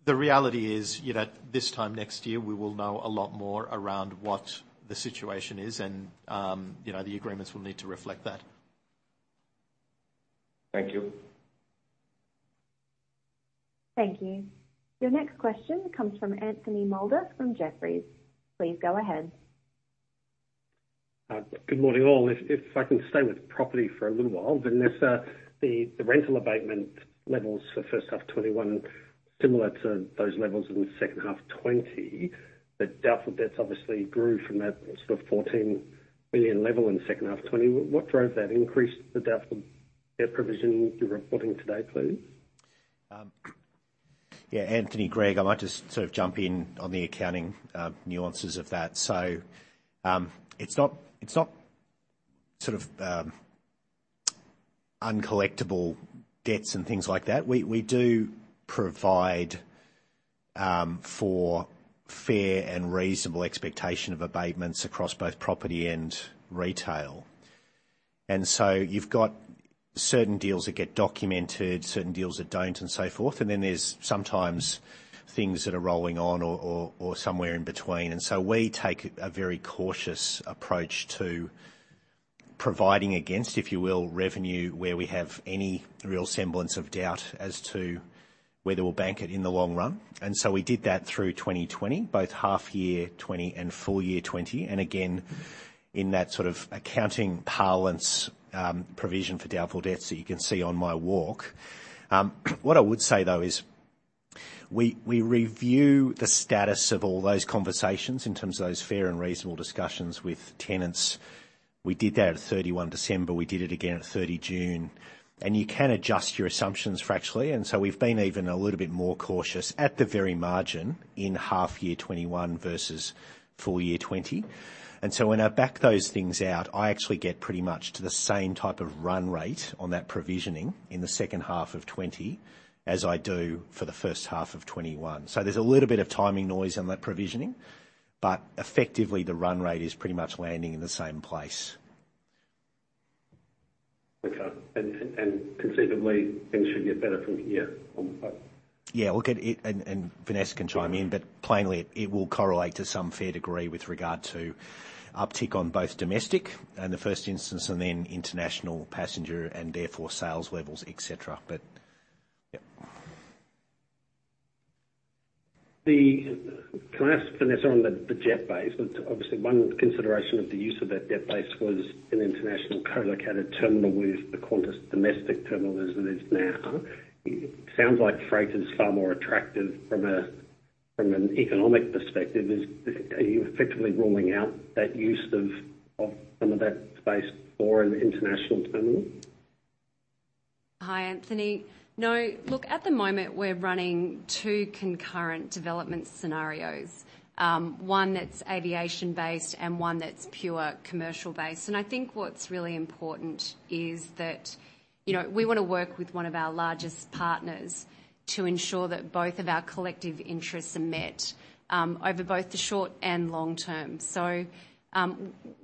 D: The reality is this time next year, we will know a lot more around what the situation is, and the agreements will need to reflect that.
G: Thank you.
E: Thank you. Your next question comes from Anthony Moulder from Jefferies. Please go ahead.
H: Good morning, all. If I can stay with property for a little while. Vanessa, the rental abatement levels for first half 2021, similar to those levels in the second half 2020, the doubtful debts obviously grew from that sort of 14 billion level in second half 2020. What drove that increase the doubtful debt provision you're reporting today, please?
C: Yeah, Anthony. Greg, I might just jump in on the accounting nuances of that. It's not uncollectible debts and things like that. We do provide for fair and reasonable expectation of abatements across both property and retail. You've got certain deals that get documented, certain deals that don't, and so forth. Then there's sometimes things that are rolling on or somewhere in between. We take a very cautious approach to providing against, if you will, revenue where we have any real semblance of doubt as to whether we'll bank it in the long run. We did that through 2020, both half year 2020 and full year 2020, and again, in that accounting parlance provision for doubtful debts that you can see on my walk. What I would say, though, is we review the status of all those conversations in terms of those fair and reasonable discussions with tenants. We did that at 31 December. We did it again at 30 June. You can adjust your assumptions factually, and so we've been even a little bit more cautious at the very margin in half year 2021 versus full year 2020. When I back those things out, I actually get pretty much to the same type of run rate on that provisioning in the second half of 2020 as I do for the first half of 2021. There's a little bit of timing noise on that provisioning, but effectively the run rate is pretty much landing in the same place.
H: Okay. Conceivably, things should get better from here on both?
C: Yeah. Vanessa can chime in, but plainly, it will correlate to some fair degree with regard to uptick on both domestic in the first instance, and then international passenger and therefore sales levels, et cetera. Yep.
H: Can I ask Vanessa on the jet base? Obviously, one consideration of the use of that jet base was an international co-located terminal with the Qantas domestic terminal as it is now. It sounds like freight is far more attractive from an economic perspective. Are you effectively ruling out that use of some of that space for an international terminal?
B: Hi, Anthony. No. Look, at the moment, we're running two concurrent development scenarios. One that's aviation based and one that's pure commercial based. I think what's really important is that we want to work with one of our largest partners to ensure that both of our collective interests are met over both the short and long term.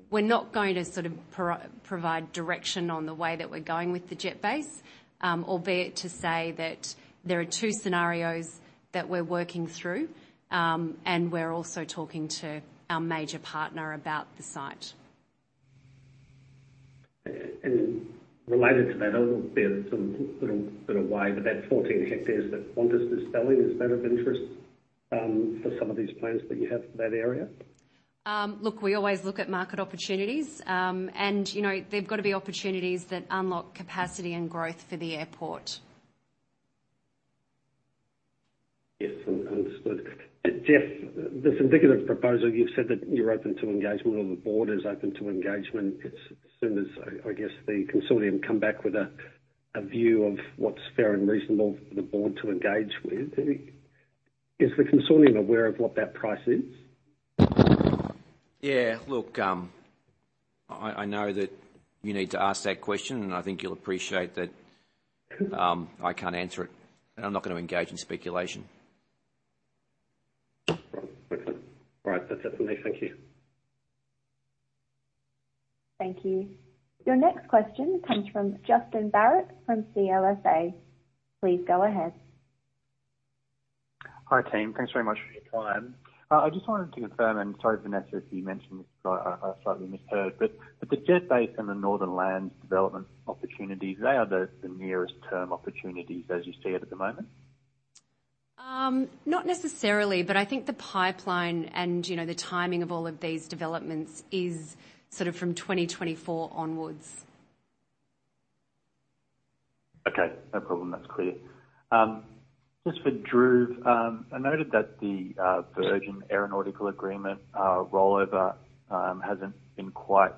B: We're not going to provide direction on the way that we're going with the jet base. Albeit to say that there are two scenarios that we're working through, and we're also talking to our major partner about the site.
H: Related to that, albeit sort of way, that 14 hectares that Qantas is selling, is that of interest for some of these plans that you have for that area?
B: Look, we always look at market opportunities, and they've got to be opportunities that unlock capacity and growth for the airport.
H: Yes. Understood. Geoff, the syndicator proposal, you've said that you're open to engagement or the board is open to engagement as soon as, I guess, the consortium come back with a view of what's fair and reasonable for the board to engage with. Is the consortium aware of what that price is?
A: Yeah. Look, I know that you need to ask that question, and I think you'll appreciate that I can't answer it, and I'm not going to engage in speculation.
H: Right. That's definitely. Thank you.
E: Thank you. Your next question comes from Justin Barratt from CLSA. Please go ahead.
I: Hi, team. Thanks very much for your time. I just wanted to confirm, and sorry, Vanessa, if you mentioned this and I slightly misheard, but the jet base and the Northern Land development opportunities, they are the nearest term opportunities as you see it at the moment?
B: Not necessarily, but I think the pipeline and the timing of all of these developments is from 2024 onwards.
I: Okay. No problem. That's clear. Just for Dhruv, I noted that the Virgin aeronautical agreement rollover hasn't been quite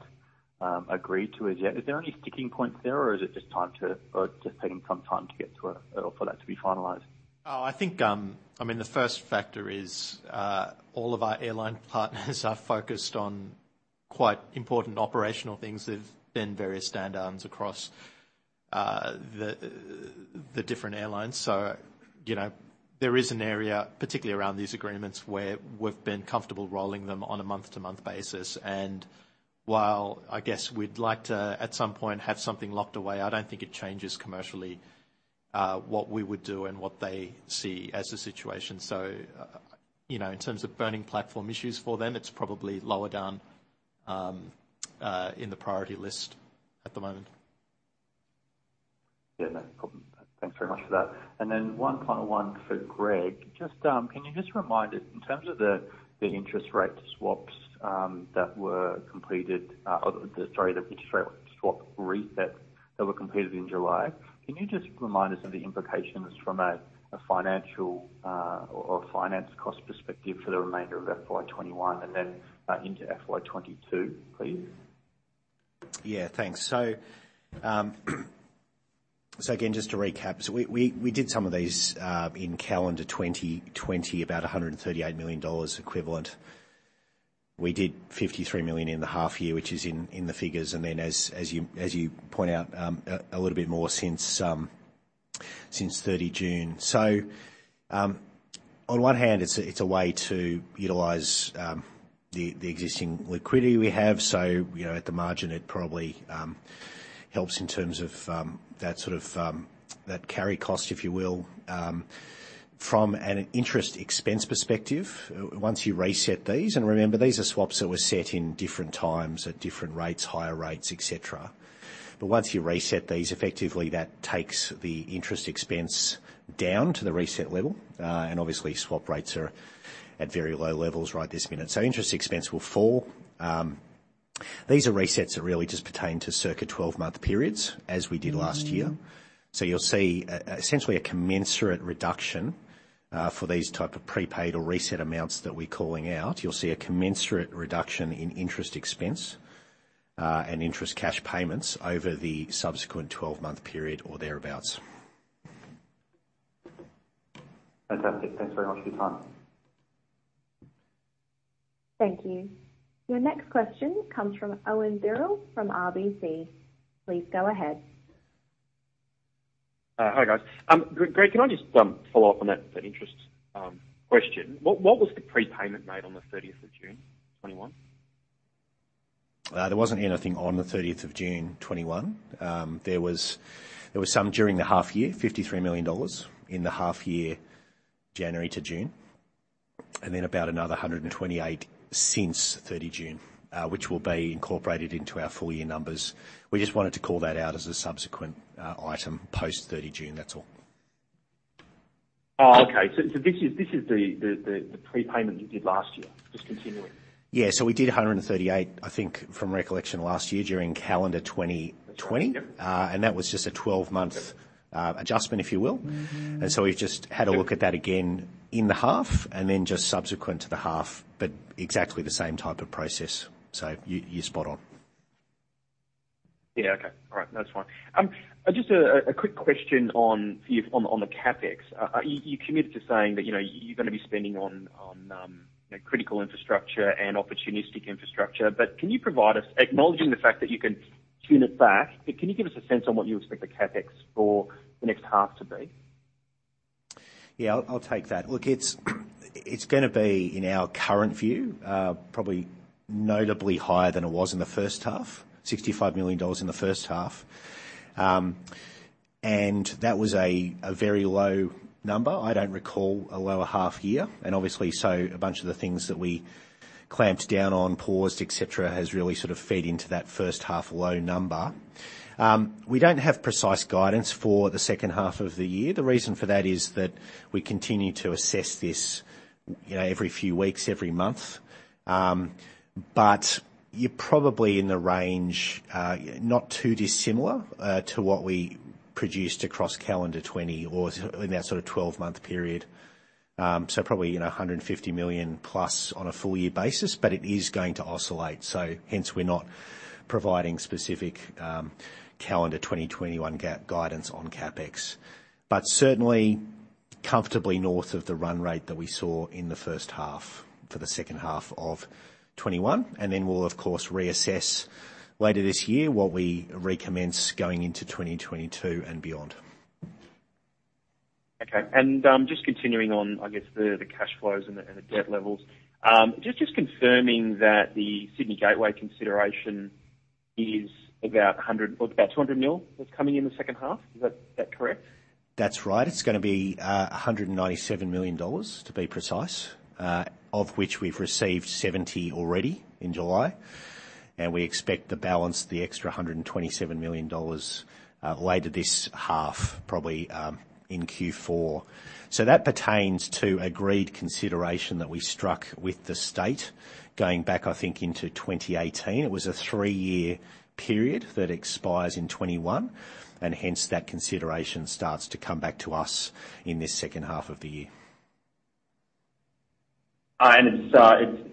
I: agreed to as yet. Is there any sticking point there, or is it just taking some time to get to it or for that to be finalized?
D: I think the first factor is all of our airline partners are focused on quite important operational things. There've been various standdowns across the different airlines. There is an area, particularly around these agreements, where we've been comfortable rolling them on a month-to-month basis. While, I guess, we'd like to, at some point, have something locked away, I don't think it changes commercially what we would do and what they see as the situation. In terms of burning platform issues for them, it's probably lower down in the priority list at the moment.
I: Yeah, no problem. Thanks very much for that. One final one for Greg. Can you just remind us, in terms of the interest rate swap resets that were completed in July, can you just remind us of the implications from a financial or finance cost perspective for the remainder of FY 2021 and then into FY 2022, please?
C: Yeah, thanks. Again, just to recap, we did some of these in calendar 2020, about 138 million dollars equivalent. We did 53 million in the half year, which is in the figures, and then as you point out, a little bit more since 30 June. On one hand, it's a way to utilize the existing liquidity we have. At the margin, it probably helps in terms of that carry cost, if you will. From an interest expense perspective, once you reset these, and remember, these are swaps that were set in different times at different rates, higher rates, et cetera. Once you reset these, effectively, that takes the interest expense down to the reset level. Obviously, swap rates are at very low levels right this minute. Interest expense will fall. These are resets that really just pertain to circa 12-month periods, as we did last year. You'll see essentially a commensurate reduction for these type of prepaid or reset amounts that we're calling out. You'll see a commensurate reduction in interest expense and interest cash payments over the subsequent 12-month period or thereabouts.
I: Fantastic. Thanks very much for your time.
E: Thank you. Your next question comes from Owen Birrell from RBC. Please go ahead.
J: Hi, guys. Greg, can I just follow up on that interest question? What was the prepayment made on the 30th of June 2021?
C: There wasn't anything on the 30th of June 2021. There was some during the half year, 53 million dollars in the half year, January to June, about another 128 since 30 June, which will be incorporated into our full year numbers. We just wanted to call that out as a subsequent item post 30 June. That's all.
J: Oh, okay. This is the prepayment you did last year, just continuing.
C: Yeah. We did 138, I think, from recollection, last year during calendar 2020.
J: Yep.
C: That was just a 12-month adjustment, if you will. We've just had a look at that again in the half and then just subsequent to the half, but exactly the same type of process. You're spot on.
J: Yeah. Okay. All right. That's fine. Just a quick question on the CapEx. You committed to saying that you're going to be spending on critical infrastructure and opportunistic infrastructure. Acknowledging the fact that you can tune it back, but can you give us a sense on what you expect the CapEx for the next half to be?
C: Yeah, I'll take that. Look, it's going to be, in our current view, probably notably higher than it was in the first half, 65 million dollars in the first half, and that was a very low number. I don't recall a lower half year, and obviously, so a bunch of the things that we clamped down on, paused, et cetera, has really fed into that first half low number. We don't have precise guidance for the second half of the year. The reason for that is that we continue to assess this every few weeks, every month. You're probably in the range not too dissimilar to what we produced across calendar 2020 or in that sort of 12-month period. Probably 150 million plus on a full year basis, but it is going to oscillate. Hence we're not providing specific calendar 2021 guidance on CapEx. Certainly, comfortably north of the run rate that we saw in the first half for the second half of 2021. We'll of course reassess later this year what we recommence going into 2022 and beyond.
J: Okay. Just continuing on, I guess, the cash flows and the debt levels. Just confirming that the Sydney Gateway consideration is about 100 million or about 200 million that's coming in the second half? Is that correct?
C: That's right. It's going to be 197 million dollars, to be precise, of which we've received 70 million already in July. We expect the balance, the extra 127 million dollars, later this half, probably in Q4. That pertains to agreed consideration that we struck with the state going back, I think, into 2018. It was a three-year period that expires in 2021, and hence that consideration starts to come back to us in this second half of the year.
J: It's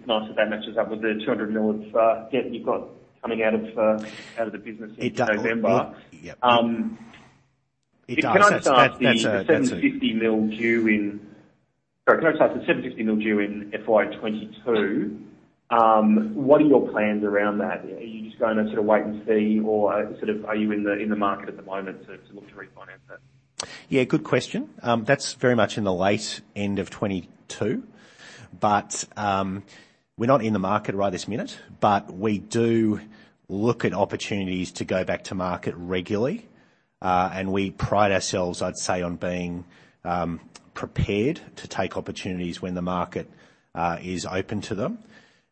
J: nice that that matches up with the 200 million of debt that you've got coming out of the business in November.
C: It does. Yep.
J: Can I just ask?
C: That's a-
J: 750 million due in FY 2022, what are your plans around that? Are you just going to sort of wait and see or are you in the market at the moment to look to refinance that?
C: Good question. That's very much in the late end of 2022. We're not in the market right this minute, but we do look at opportunities to go back to market regularly. We pride ourselves, I'd say, on being prepared to take opportunities when the market is open to them.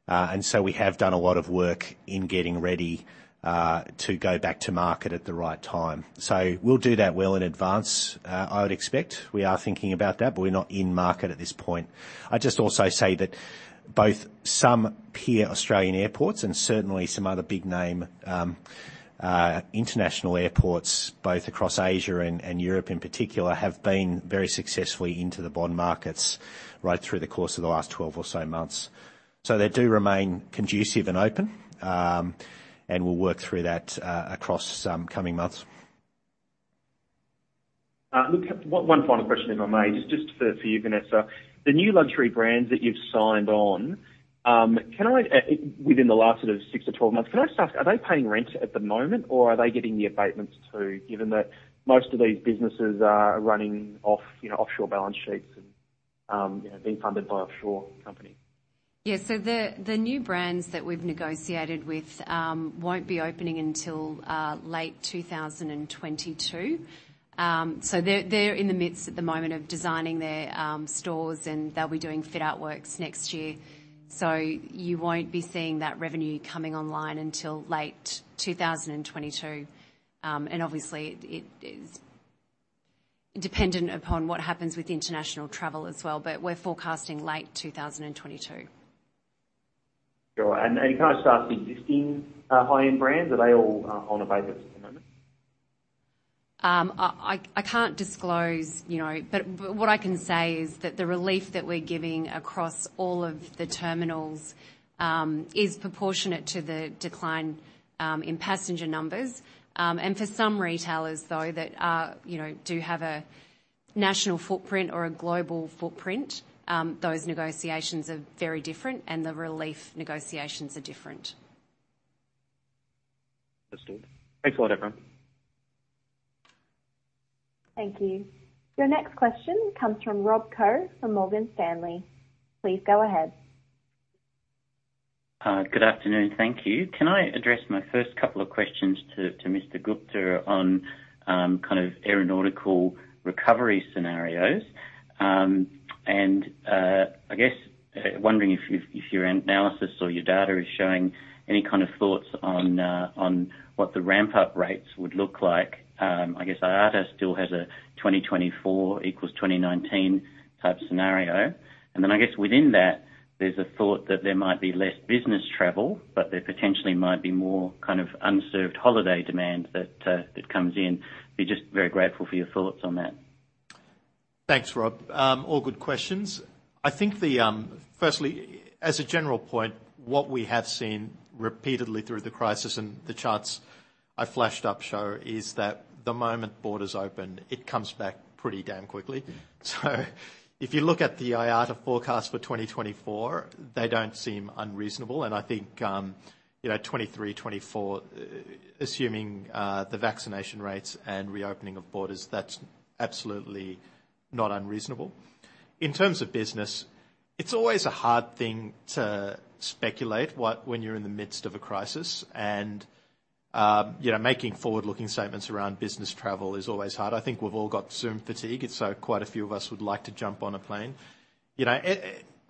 C: We have done a lot of work in getting ready to go back to market at the right time. We'll do that well in advance, I would expect. We are thinking about that, but we're not in market at this point. I'd just also say that both some peer Australian airports and certainly some other big-name international airports, both across Asia and Europe in particular, have been very successfully into the bond markets right through the course of the last 12 or so months. They do remain conducive and open, and we'll work through that across coming months.
J: Look, one final question, if I may. Just for you, Vanessa. The new luxury brands that you've signed on, within the last 6-12 months, can I just ask, are they paying rent at the moment or are they getting the abatements too, given that most of these businesses are running off offshore balance sheets and being funded by offshore companies?
B: Yeah. The new brands that we've negotiated with won't be opening until late 2022. They're in the midst at the moment of designing their stores, and they'll be doing fit-out works next year. You won't be seeing that revenue coming online until late 2022. Obviously it is dependent upon what happens with international travel as well, but we're forecasting late 2022.
J: Sure. Can I just ask the existing high-end brands, are they all on abatements at the moment?
B: I can't disclose, but what I can say is that the relief that we're giving across all of the terminals is proportionate to the decline in passenger numbers. For some retailers though that do have a national footprint or a global footprint, those negotiations are very different and the relief negotiations are different.
J: Understood. Thanks a lot, everyone.
E: Thank you. Your next question comes from Rob Koh from Morgan Stanley. Please go ahead.
K: Good afternoon. Thank you. Can I address my first couple of questions to Mr. Gupta on kind of aeronautical recovery scenarios? I guess, wondering if your analysis or your data is showing any kind of thoughts on what the ramp-up rates would look like. I guess IATA still has a 2024 equals 2019 type scenario. I guess within that, there's a thought that there might be less business travel, but there potentially might be more unserved holiday demand that comes in. I'd be just very grateful for your thoughts on that.
D: Thanks, Rob Koh. All good questions. I think firstly, as a general point, what we have seen repeatedly through the crisis, and the charts I flashed up show, is that the moment borders open, it comes back pretty damn quickly. If you look at the IATA forecast for 2024, they don't seem unreasonable, and I think 2023, 2024, assuming the vaccination rates and reopening of borders, that's absolutely not unreasonable. In terms of business, it's always a hard thing to speculate when you're in the midst of a crisis, and making forward-looking statements around business travel is always hard. I think we've all got Zoom fatigue, quite a few of us would like to jump on a plane.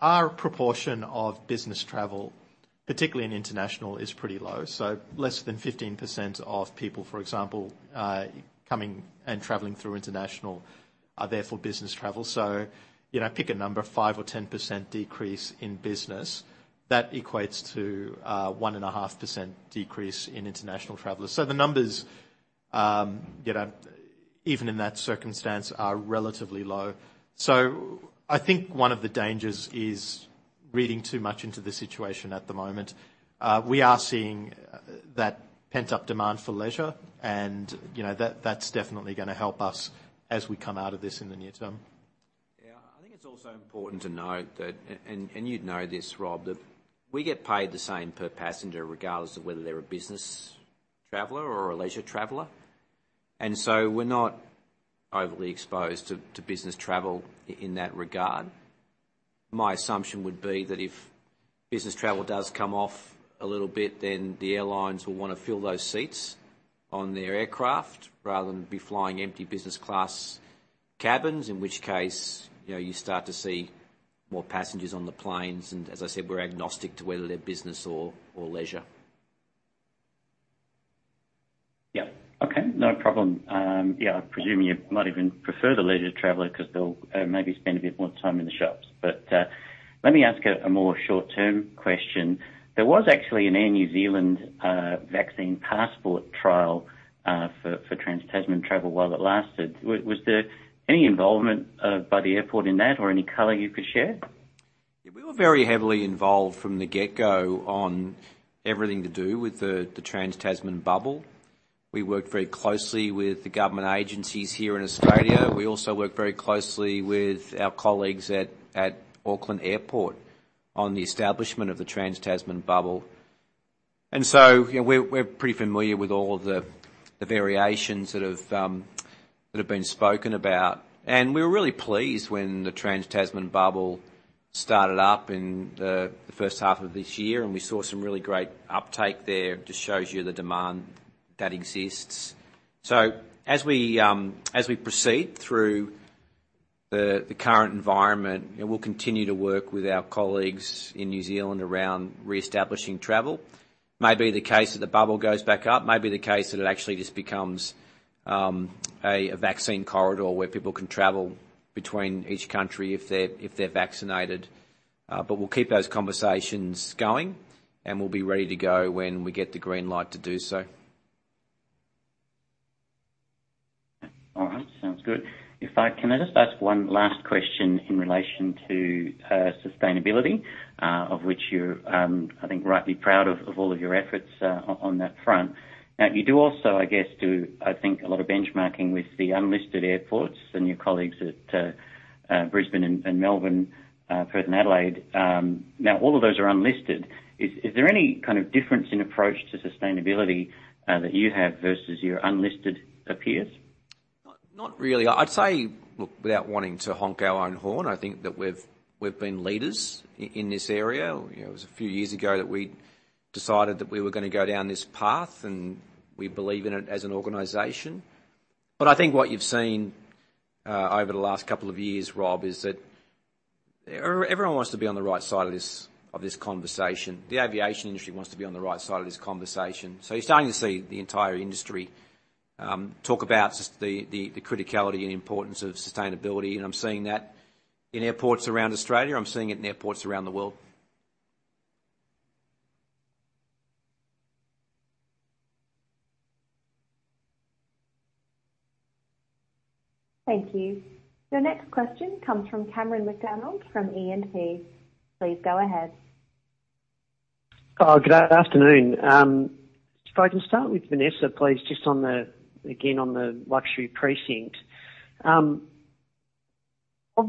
D: Our proportion of business travel, particularly in international, is pretty low. Less than 15% of people, for example, coming and traveling through international are there for business travel. Pick a number, 5% or 10% decrease in business, that equates to 1.5% decrease in international travelers. The numbers, even in that circumstance, are relatively low. I think one of the dangers is reading too much into the situation at the moment. We are seeing that pent-up demand for leisure and that's definitely gonna help us as we come out of this in the near term.
C: Yeah. I think it's also important to note that, and you'd know this, Rob, that we get paid the same per passenger regardless of whether they're a business traveler or a leisure traveler. We're not overly exposed to business travel in that regard.
A: My assumption would be that if business travel does come off a little bit, then the airlines will want to fill those seats on their aircraft rather than be flying empty business class cabins, in which case, you start to see more passengers on the planes. As I said, we're agnostic to whether they're business or leisure.
K: Yeah. Okay. No problem. Yeah, I presume you might even prefer the leisure traveler because they'll maybe spend a bit more time in the shops. Let me ask a more short-term question. There was actually an Air New Zealand vaccine passport trial for trans-Tasman travel while it lasted. Was there any involvement by the airport in that or any color you could share?
A: Yeah, we were very heavily involved from the get go on everything to do with the trans-Tasman bubble. We worked very closely with the government agencies here in Australia. We also worked very closely with our colleagues at Auckland Airport on the establishment of the trans-Tasman bubble. We're pretty familiar with all the variations that have been spoken about. We were really pleased when the trans-Tasman bubble started up in the first half of this year, and we saw some really great uptake there. Just shows you the demand that exists. As we proceed through the current environment, we'll continue to work with our colleagues in New Zealand around reestablishing travel. May be the case that the bubble goes back up, may be the case that it actually just becomes a vaccine corridor where people can travel between each country if they're vaccinated. We'll keep those conversations going, and we'll be ready to go when we get the green light to do so.
K: All right. Sounds good. Can I just ask one last question in relation to sustainability, of which you're, I think, rightly proud of all of your efforts on that front. Now, you do also, I guess, do, I think, a lot of benchmarking with the unlisted airports and your colleagues at Brisbane and Melbourne, Perth, and Adelaide. Now, all of those are unlisted. Is there any kind of difference in approach to sustainability that you have versus your unlisted peers?
A: Not really. I'd say, look, without wanting to honk our own horn, I think that we've been leaders in this area. It was a few years ago that we decided that we were going to go down this path, and we believe in it as an organization. I think what you've seen over the last couple of years, Rob Koh, is that everyone wants to be on the right side of this conversation. The aviation industry wants to be on the right side of this conversation. You're starting to see the entire industry talk about the criticality and importance of sustainability, and I'm seeing that in airports around Australia. I'm seeing it in airports around the world.
E: Thank you. Your next question comes from Cameron McDonald from E&P. Please go ahead.
L: Good afternoon. If I can start with Vanessa, please, just again on the luxury precinct. Of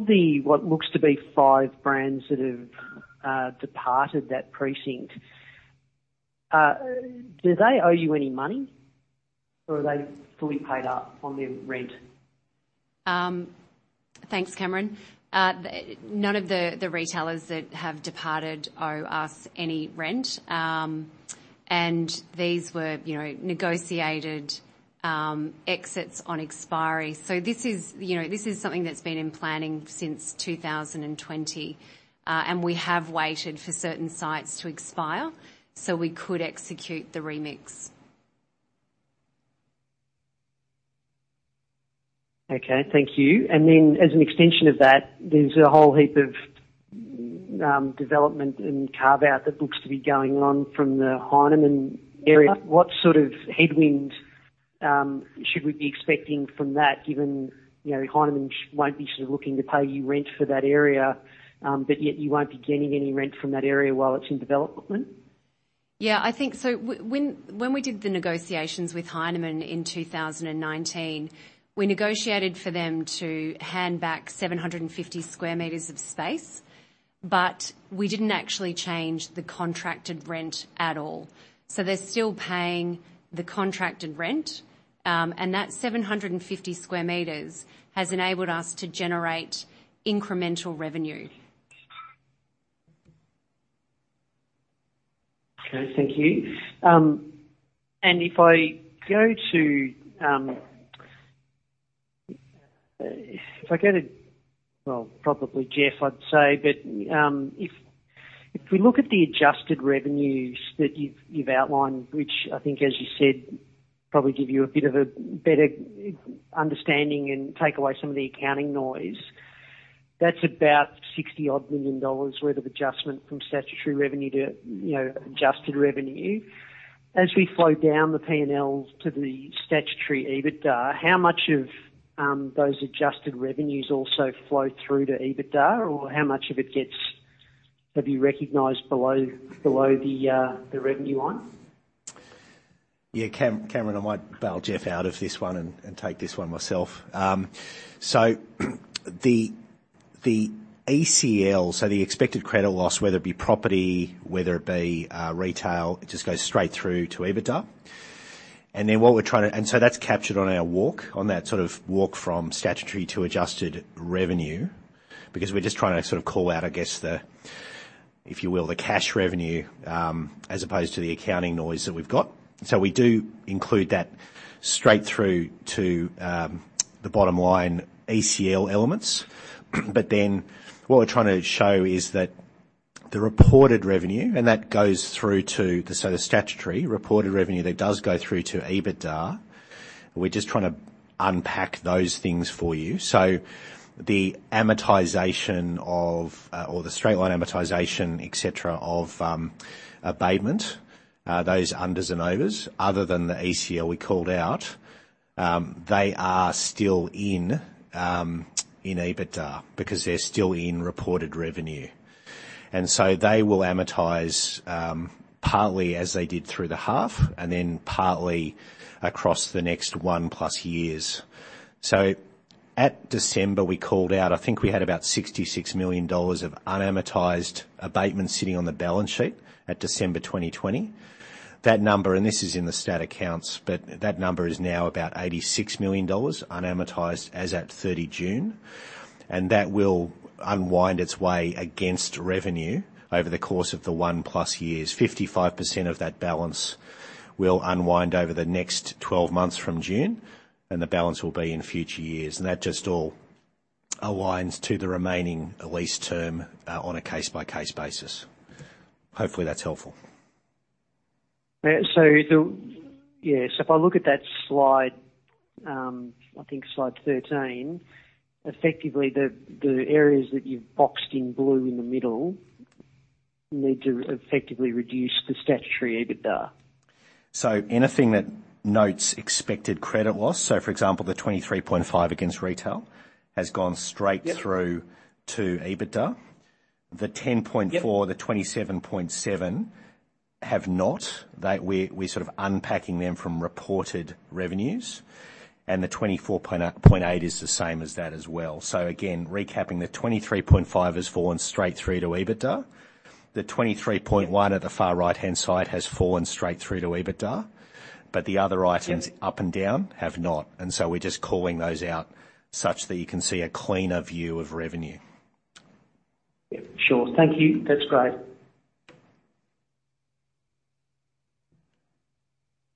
L: the what looks to be five brands that have departed that precinct, do they owe you any money? Are they fully paid up on their rent?
B: Thanks, Cameron. None of the retailers that have departed owe us any rent. These were negotiated exits on expiry. This is something that's been in planning since 2020. We have waited for certain sites to expire so we could execute the remix.
L: Okay. Thank you. Then as an extension of that, there's a whole heap of development and carve-out that looks to be going on from the Heinemann area. What sort of headwinds should we be expecting from that, given Heinemann won't be looking to pay you rent for that area, yet you won't be getting any rent from that area while it's in development?
B: When we did the negotiations with Heinemann in 2019, we negotiated for them to hand back 750 sq m of space. We didn't actually change the contracted rent at all. They're still paying the contracted rent, and that 750 sq m has enabled us to generate incremental revenue.
L: Okay. Thank you. If I go to, well, probably Geoff, I'd say, but if we look at the adjusted revenues that you've outlined, which I think, as you said, probably give you a bit of a better understanding and take away some of the accounting noise, that is about 60 odd million worth of adjustment from statutory revenue to adjusted revenue. As we flow down the P&L to the statutory EBITDA, how much of those adjusted revenues also flow through to EBITDA? How much of it gets maybe recognized below the revenue line?
C: Cameron, I might bail Geoff out of this one and take this one myself. The ECL, so the expected credit loss, whether it be property, whether it be retail, it just goes straight through to EBITDA. That's captured on our walk, on that sort of walk from statutory to adjusted revenue, because we're just trying to sort of call out, I guess the, if you will, the cash revenue, as opposed to the accounting noise that we've got. We do include that straight through to the bottom line ECL elements. What we're trying to show is that the reported revenue and that goes through to the sort of statutory reported revenue that does go through to EBITDA. We're just trying to unpack those things for you. The amortization of, or the straight line amortization, et cetera, of abatement, those unders and overs, other than the ECL we called out, they are still in EBITDA because they're still in reported revenue. They will amortize partly as they did through the half and then partly across the next 1+ years. At December, we called out I think we had about 66 million dollars of unamortized abatement sitting on the balance sheet at December 2020. That number, and this is in the stat accounts, but that number is now about 86 million dollars unamortized as at 30 June, and that will unwind its way against revenue over the course of the 1+ years. 55% of that balance will unwind over the next 12 months from June, and the balance will be in future years. That just all aligns to the remaining lease term on a case-by-case basis. Hopefully, that's helpful.
L: Yeah. If I look at that slide, I think slide 13, effectively the areas that you've boxed in blue in the middle need to effectively reduce the statutory EBITDA.
C: anything that notes expected credit loss, for example, the 23.5 against retail has gone.
L: Yep
C: through to EBITDA. The 10.4-
L: Yep
C: The 27.7 have not. We're sort of unpacking them from reported revenues. The 24.8 is the same as that as well. Again, recapping, the 23.5 has fallen straight through to EBITDA. The 23.1 at the far right-hand side has fallen straight through to EBITDA. The other items.
L: Yep
C: up and down have not. We're just calling those out such that you can see a cleaner view of revenue.
L: Yep. Sure. Thank you. That's great.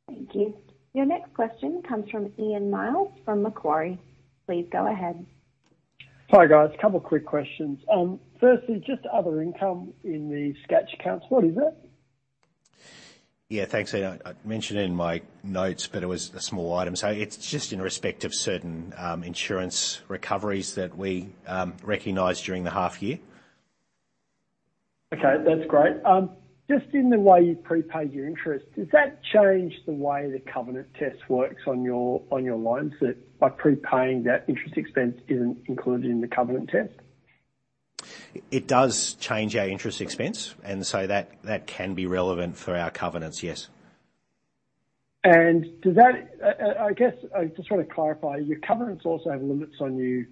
E: Thank you. Your next question comes from Ian Myles from Macquarie. Please go ahead.
M: Hi, guys. A couple quick questions. Firstly, just other income in the stat accounts, what is it?
C: Yeah, thanks, Ian. I mentioned in my notes, but it was a small item. It's just in respect of certain insurance recoveries that we recognized during the half year.
M: Okay, that's great. Just in the way you prepaid your interest, does that change the way the covenant test works on your loans, that by prepaying that interest expense isn't included in the covenant test?
C: It does change our interest expense. That can be relevant for our covenants, yes.
M: I guess I just want to clarify, your covenants also have limits on you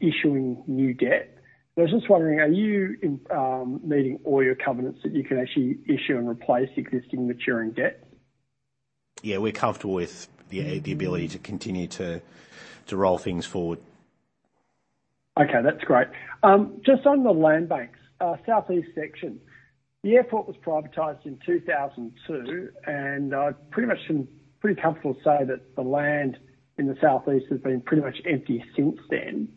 M: issuing new debt. I was just wondering, are you meeting all your covenants that you can actually issue and replace existing maturing debt?
C: Yeah, we're comfortable with the ability to continue to roll things forward.
M: Okay, that's great. Just on the land banks, southeast section, the airport was privatized in 2002, and I'm pretty comfortable to say that the land in the southeast has been pretty much empty since then.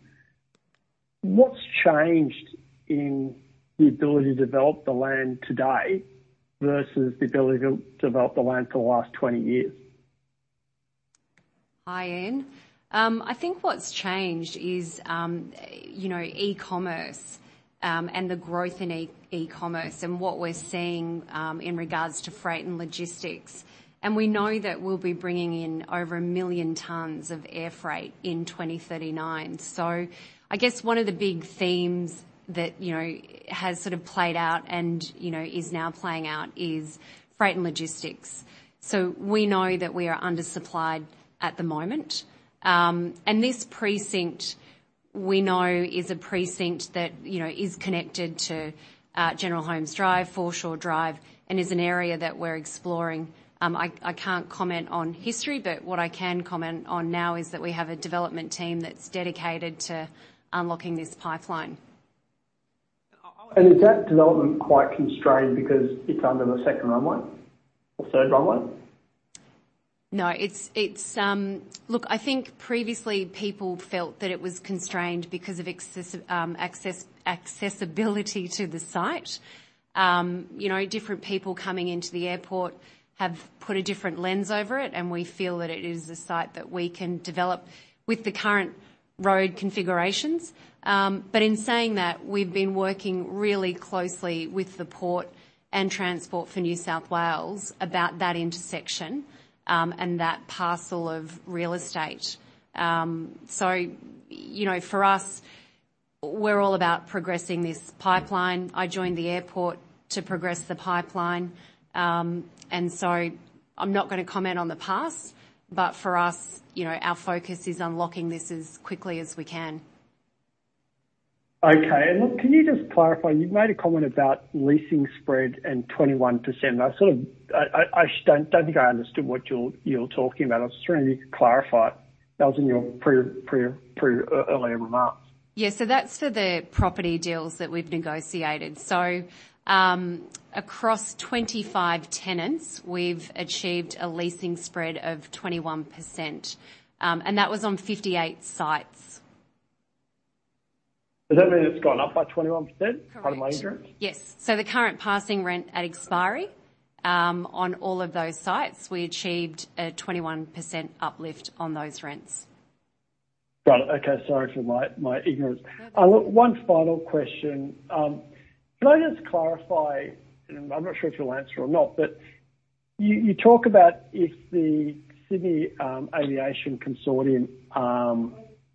M: What's changed in the ability to develop the land today versus the ability to develop the land for the last 20 years?
B: Hi, Ian. I think what's changed is e-commerce, the growth in e-commerce and what we're seeing in regards to freight and logistics. We know that we'll be bringing in over one million tons of air freight in 2039. I guess one of the big themes that has sort of played out and is now playing out is freight and logistics. We know that we are undersupplied at the moment. This precinct, we know, is a precinct that is connected to General Holmes Drive, Foreshore Drive, and is an area that we're exploring. I can't comment on history, but what I can comment on now is that we have a development team that's dedicated to unlocking this pipeline.
M: Is that development quite constrained because it's under the second runway or third runway?
B: No. Look, I think previously people felt that it was constrained because of accessibility to the site. Different people coming into Sydney Airport have put a different lens over it, and we feel that it is a site that we can develop with the current road configurations. In saying that, we've been working really closely with the port and Transport for New South Wales about that intersection, and that parcel of real estate. For us, we're all about progressing this pipeline. I joined the Airport to progress the pipeline. I'm not gonna comment on the past, but for us, our focus is unlocking this as quickly as we can.
M: Okay. Look, can you just clarify, you've made a comment about leasing spread and 21%. I don't think I understood what you're talking about. I was just wondering if you could clarify. That was in your earlier remark.
B: Yeah. That's for the property deals that we've negotiated. Across 25 tenants, we've achieved a leasing spread of 21%, and that was on 58 sites.
M: Does that mean it's gone up by 21%?
B: Correct.
M: Pardon my ignorance.
B: Yes. The current passing rent at expiry on all of those sites, we achieved a 21% uplift on those rents.
M: Got it. Okay. Sorry for my ignorance.
B: No worries.
M: Look, one final question. Can I just clarify, and I'm not sure if you'll answer or not, but you talk about if the Sydney Aviation Alliance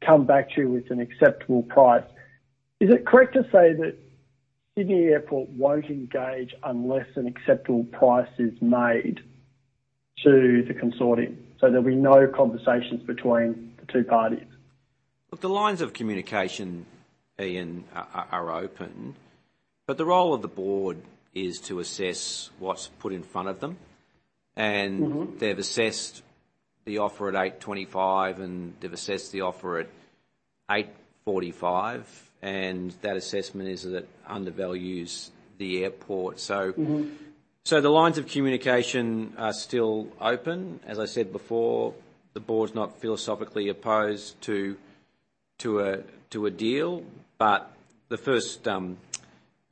M: come back to you with an acceptable price. Is it correct to say that Sydney Airport won't engage unless an acceptable price is made to the consortium? There'll be no conversations between the two parties.
A: Look, the lines of communication, Ian, are open, but the role of the board is to assess what's put in front of them. and they've assessed the offer at 8.45, and that assessment is that it undervalues the airport. The lines of communication are still open. As I said before, the board's not philosophically opposed to a deal, but the first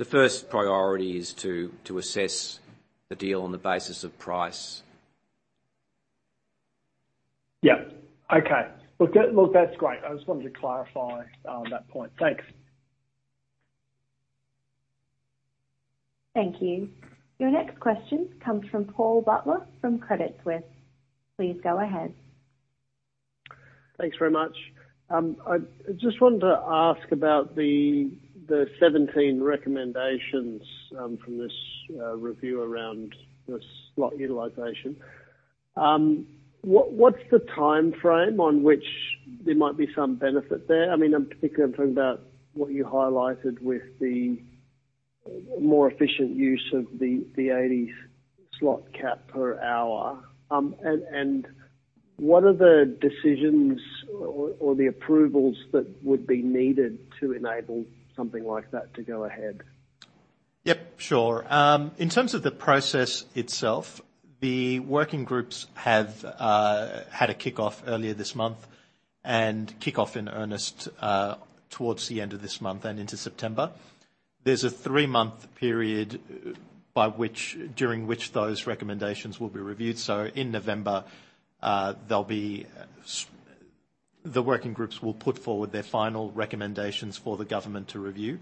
A: priority is to assess the deal on the basis of price.
M: Okay. Look, that's great. I just wanted to clarify on that point. Thanks.
E: Thank you. Your next question comes from Paul Butler from Credit Suisse. Please go ahead.
N: Thanks very much. I just wanted to ask about the 17 recommendations from this review around the slot utilization. What's the timeframe on which there might be some benefit there? I'm particularly talking about what you highlighted with the more efficient use of the 80 slot cap per hour. What are the decisions or the approvals that would be needed to enable something like that to go ahead?
D: Yep, sure. In terms of the process itself, the working groups have had a kickoff earlier this month and kick off in earnest towards the end of this month and into September. There's a three-month period during which those recommendations will be reviewed. In November, the working groups will put forward their final recommendations for the government to review.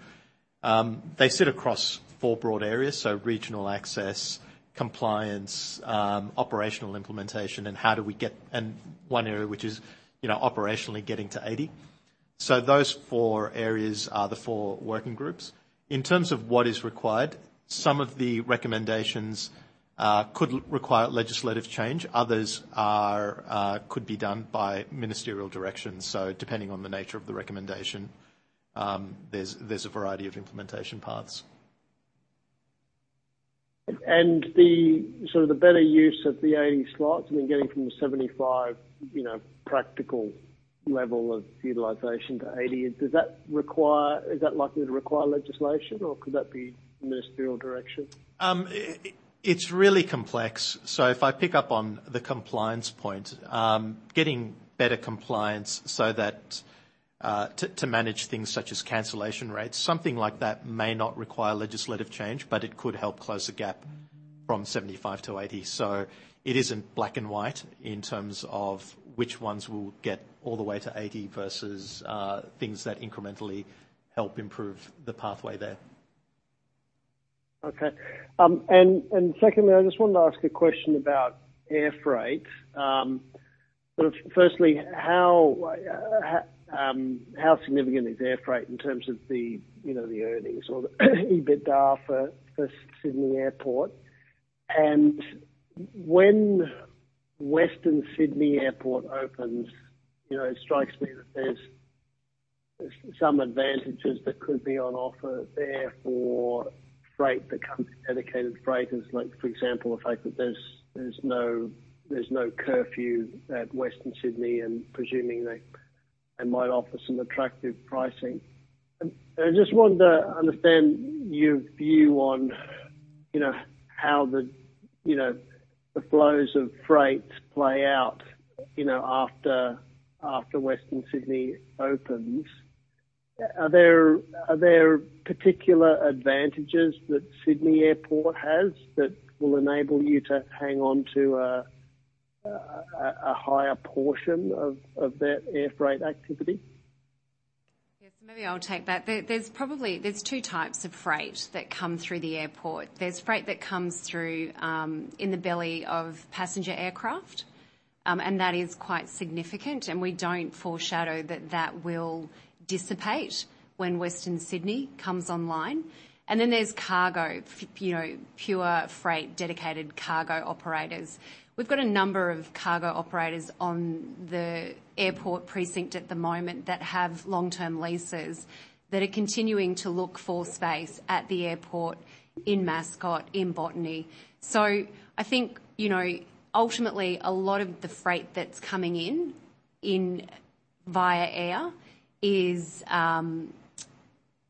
D: They sit across four broad areas, so regional access, compliance, operational implementation, and one area which is operationally getting to 80. Those four areas are the four working groups. In terms of what is required, some of the recommendations could require legislative change. Others could be done by ministerial direction. Depending on the nature of the recommendation, there's a variety of implementation paths.
N: The better use of the 80 slots, getting from the 75 practical level of utilization to 80, is that likely to require legislation, or could that be ministerial direction?
D: It's really complex. If I pick up on the compliance point, getting better compliance to manage things such as cancellation rates, something like that may not require legislative change, but it could help close a gap from 75 to 80. It isn't black and white in terms of which ones will get all the way to 80 versus things that incrementally help improve the pathway there.
N: Okay. Secondly, I just wanted to ask a question about air freight. Firstly, how significant is air freight in terms of the earnings or the EBITDA for Sydney Airport? When Western Sydney Airport opens, it strikes me that there's some advantages that could be on offer there for freight that comes in dedicated freighters, like for example, the fact that there's no curfew at Western Sydney and presuming they might offer some attractive pricing. I just wanted to understand your view on how the flows of freight play out after Western Sydney opens. Are there particular advantages that Sydney Airport has that will enable you to hang on to a higher portion of that air freight activity?
B: Maybe I'll take that. There's two types of freight that come through the airport. There's freight that comes through in the belly of passenger aircraft. That is quite significant, and we don't foreshadow that will dissipate when Western Sydney comes online. Then there's cargo, pure freight, dedicated cargo operators. We've got a number of cargo operators on the airport precinct at the moment that have long-term leases that are continuing to look for space at the airport in Mascot, in Botany. I think, ultimately, a lot of the freight that's coming in via air is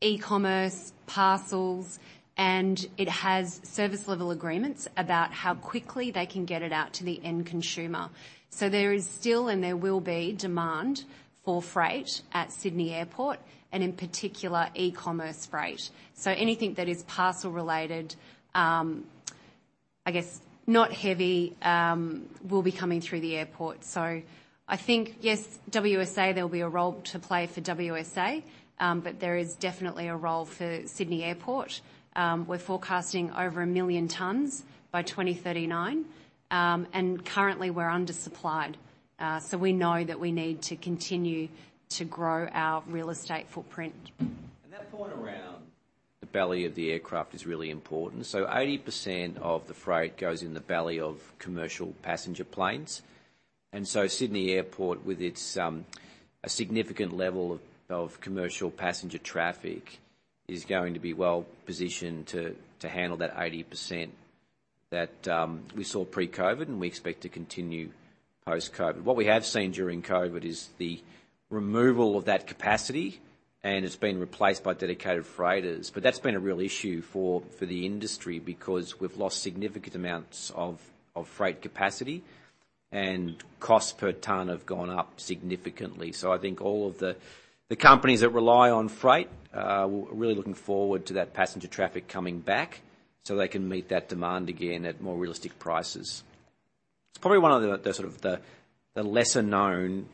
B: e-commerce parcels, and it has service level agreements about how quickly they can get it out to the end consumer. There is still, and there will be, demand for freight at Sydney Airport, and in particular, e-commerce freight. Anything that is parcel related, I guess not heavy, will be coming through the airport. I think, yes, WSA, there will be a role to play for WSA, but there is definitely a role for Sydney Airport. We're forecasting over 1 million tons by 2039. Currently we're undersupplied. We know that we need to continue to grow our real estate footprint.
A: That point around the belly of the aircraft is really important. 80% of the freight goes in the belly of commercial passenger planes. Sydney Airport, with its significant level of commercial passenger traffic, is going to be well-positioned to handle that 80% that we saw pre-COVID, and we expect to continue post-COVID. What we have seen during COVID is the removal of that capacity, and it's been replaced by dedicated freighters. That's been a real issue for the industry because we've lost significant amounts of freight capacity, and costs per ton have gone up significantly. I think all of the companies that rely on freight are really looking forward to that passenger traffic coming back so they can meet that demand again at more realistic prices. It's probably one of the lesser-known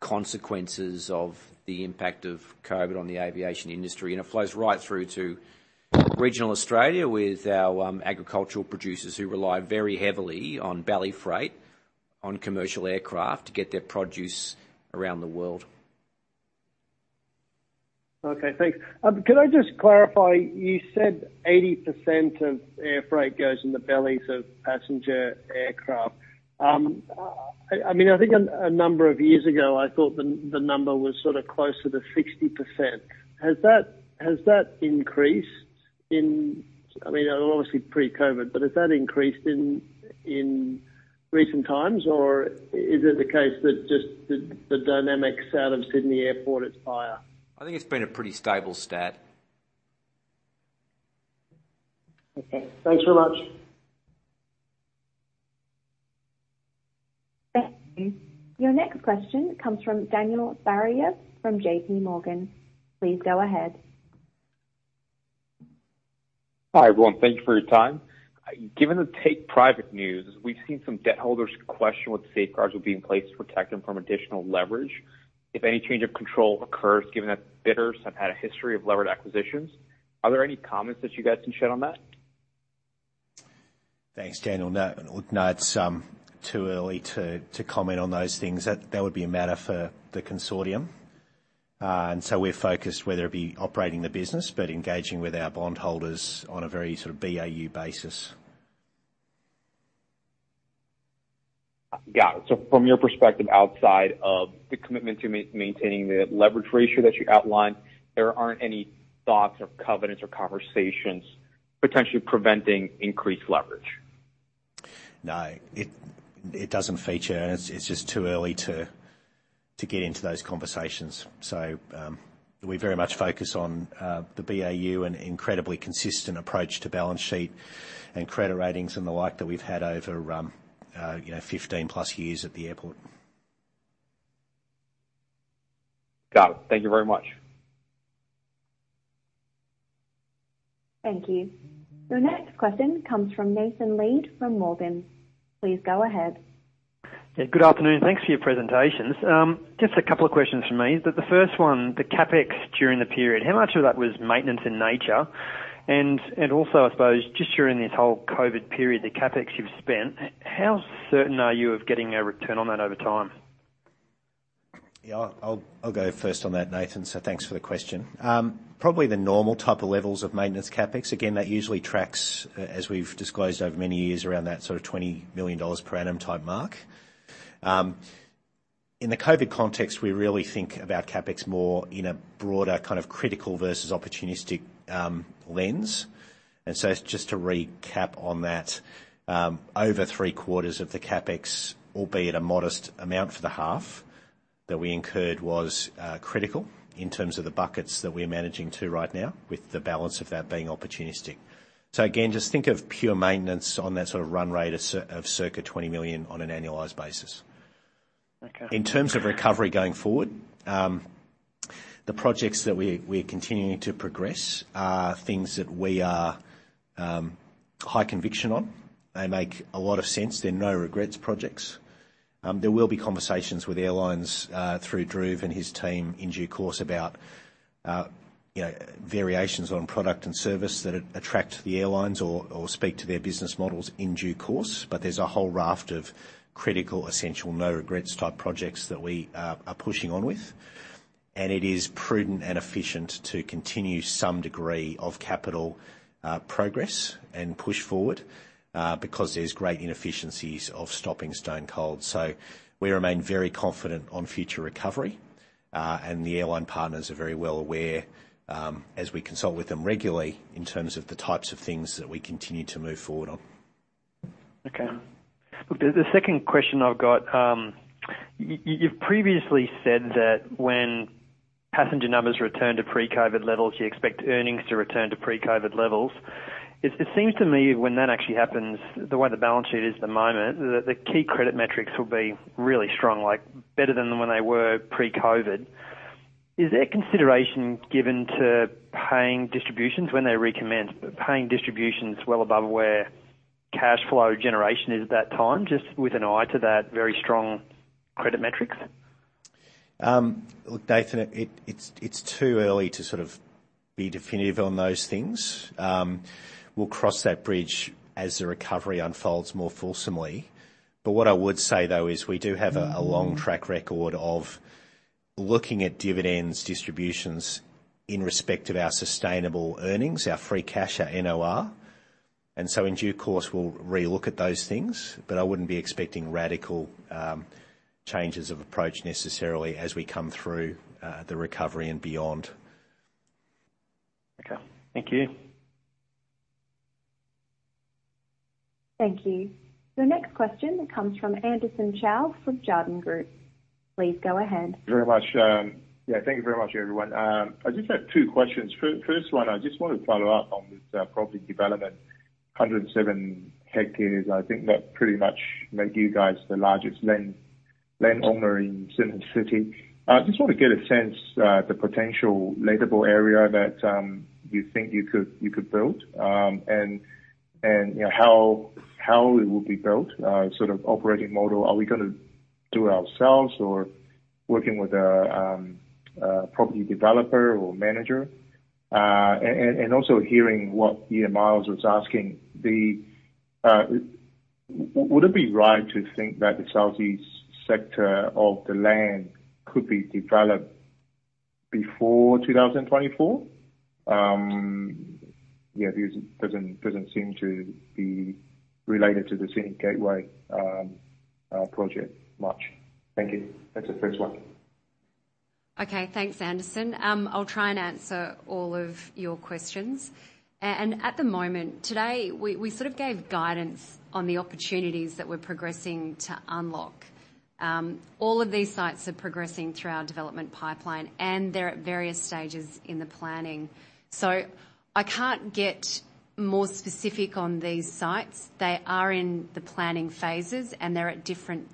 A: consequences of the impact of COVID on the aviation industry. It flows right through to regional Australia with our agricultural producers who rely very heavily on belly freight on commercial aircraft to get their produce around the world.
N: Okay, thanks. Could I just clarify, you said 80% of air freight goes in the bellies of passenger aircraft. I think a number of years ago, I thought the number was closer to 60%. Has that increased obviously pre-COVID, but has that increased in recent times, or is it the case that just the dynamics out of Sydney Airport, it's higher?
A: I think it's been a pretty stable stat.
N: Okay, thanks very much.
E: Thank you. Your next question comes from Daniel Barry from JPMorgan. Please go ahead.
O: Hi, everyone. Thank you for your time. Given the take private news, we've seen some debt holders question what safeguards will be in place to protect them from additional leverage if any change of control occurs, given that bidders have had a history of levered acquisitions. Are there any comments that you guys can shed on that?
A: Thanks, Daniel. It's too early to comment on those things. That would be a matter for the consortium. We're focused whether it be operating the business, but engaging with our bond holders on a very BAU basis.
O: Got it. From your perspective, outside of the commitment to maintaining the leverage ratio that you outlined, there aren't any thoughts or covenants or conversations potentially preventing increased leverage?
C: No. It doesn't feature, and it's just too early to get into those conversations. We very much focus on the BAU and incredibly consistent approach to balance sheet and credit ratings and the like that we've had over 15+ years at the airport.
O: Got it. Thank you very much.
E: Thank you. Your next question comes from Nathan Lead from Morgans. Please go ahead.
P: Yeah, good afternoon. Thanks for your presentations. Just two questions from me. The first one, the CapEx during the period, how much of that was maintenance in nature? Also, I suppose, just during this whole COVID period, the CapEx you've spent, how certain are you of getting a return on that over time?
C: I'll go first on that, Nathan, thanks for the question. Probably the normal type of levels of maintenance CapEx. That usually tracks, as we've disclosed over many years, around that sort of 20 million dollars per annum type mark. In the COVID context, we really think about CapEx more in a broader critical versus opportunistic lens. Just to recap on that, over three-quarters of the CapEx, albeit a modest amount for the half, that we incurred was critical in terms of the buckets that we're managing to right now, with the balance of that being opportunistic. Just think of pure maintenance on that run rate of circa 20 million on an annualized basis.
P: Okay.
A: In terms of recovery going forward, the projects that we're continuing to progress are things that we are high conviction on. They make a lot of sense. They're no regrets projects. There will be conversations with airlines through Dhruv and his team in due course about. Variations on product and service that attract the airlines or speak to their business models in due course. There's a whole raft of critical, essential, no regrets type projects that we are pushing on with. It is prudent and efficient to continue some degree of capital progress and push forward, because there's great inefficiencies of stopping stone cold. We remain very confident on future recovery. The airline partners are very well aware, as we consult with them regularly, in terms of the types of things that we continue to move forward on.
P: Okay. The second question I've got, you've previously said that when passenger numbers return to pre-COVID levels, you expect earnings to return to pre-COVID levels. It seems to me when that actually happens, the way the balance sheet is at the moment, the key credit metrics will be really strong, better than when they were pre-COVID. Is there consideration given to paying distributions when they recommence, paying distributions well above where cash flow generation is at that time, just with an eye to that very strong credit metrics?
C: Look, Nathan Lead, it's too early to be definitive on those things. We'll cross that bridge as the recovery unfolds more fulsomely. What I would say, though, is we do have a long track record of looking at dividends distributions in respect of our sustainable earnings, our free cash, our NOR. In due course, we'll re-look at those things, but I wouldn't be expecting radical changes of approach necessarily as we come through the recovery and beyond.
P: Okay. Thank you.
E: Thank you. Your next question comes from Anderson Chow from Jarden Group. Please go ahead.
Q: Very much. Yeah, thank you very much, everyone. I just have two questions. First one, I just want to follow up on this property development, 107 hectares. I think that pretty much make you guys the largest land owner in Sydney City. I just want to get a sense the potential lettable area that you think you could build, and how it will be built, operating model. Are we going to do it ourselves or working with a property developer or manager? Also hearing what Ian Myles was asking, would it be right to think that the southeast sector of the land could be developed before 2024? Yeah, it doesn't seem to be related to the Sydney Gateway project much. Thank you. That's the first one.
B: Okay. Thanks, Anderson. I'll try and answer all of your questions. At the moment, today, we gave guidance on the opportunities that we're progressing to unlock. All of these sites are progressing through our development pipeline, and they're at various stages in the planning. I can't get more specific on these sites. They are in the planning phases, and they're at different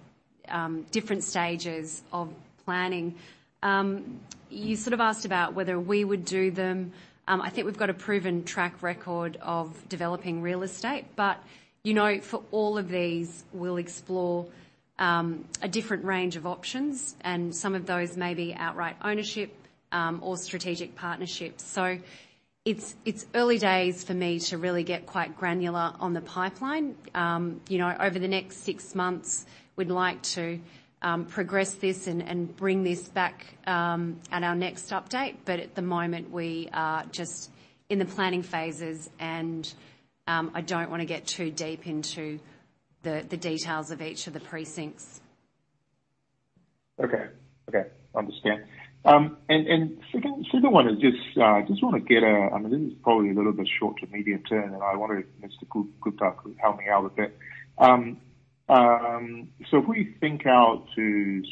B: stages of planning. You asked about whether we would do them. I think we've got a proven track record of developing real estate. For all of these, we'll explore a different range of options, and some of those may be outright ownership or strategic partnerships. It's early days for me to really get quite granular on the pipeline. Over the next 6 months, we'd like to progress this and bring this back at our next update. At the moment, we are just in the planning phases, and I don't want to get too deep into the details of each of the precincts.
Q: Okay. Understand. Second one is, this is probably a little bit short to medium-term, and I wonder if Mr. Gupta could help me out with it. If we think out to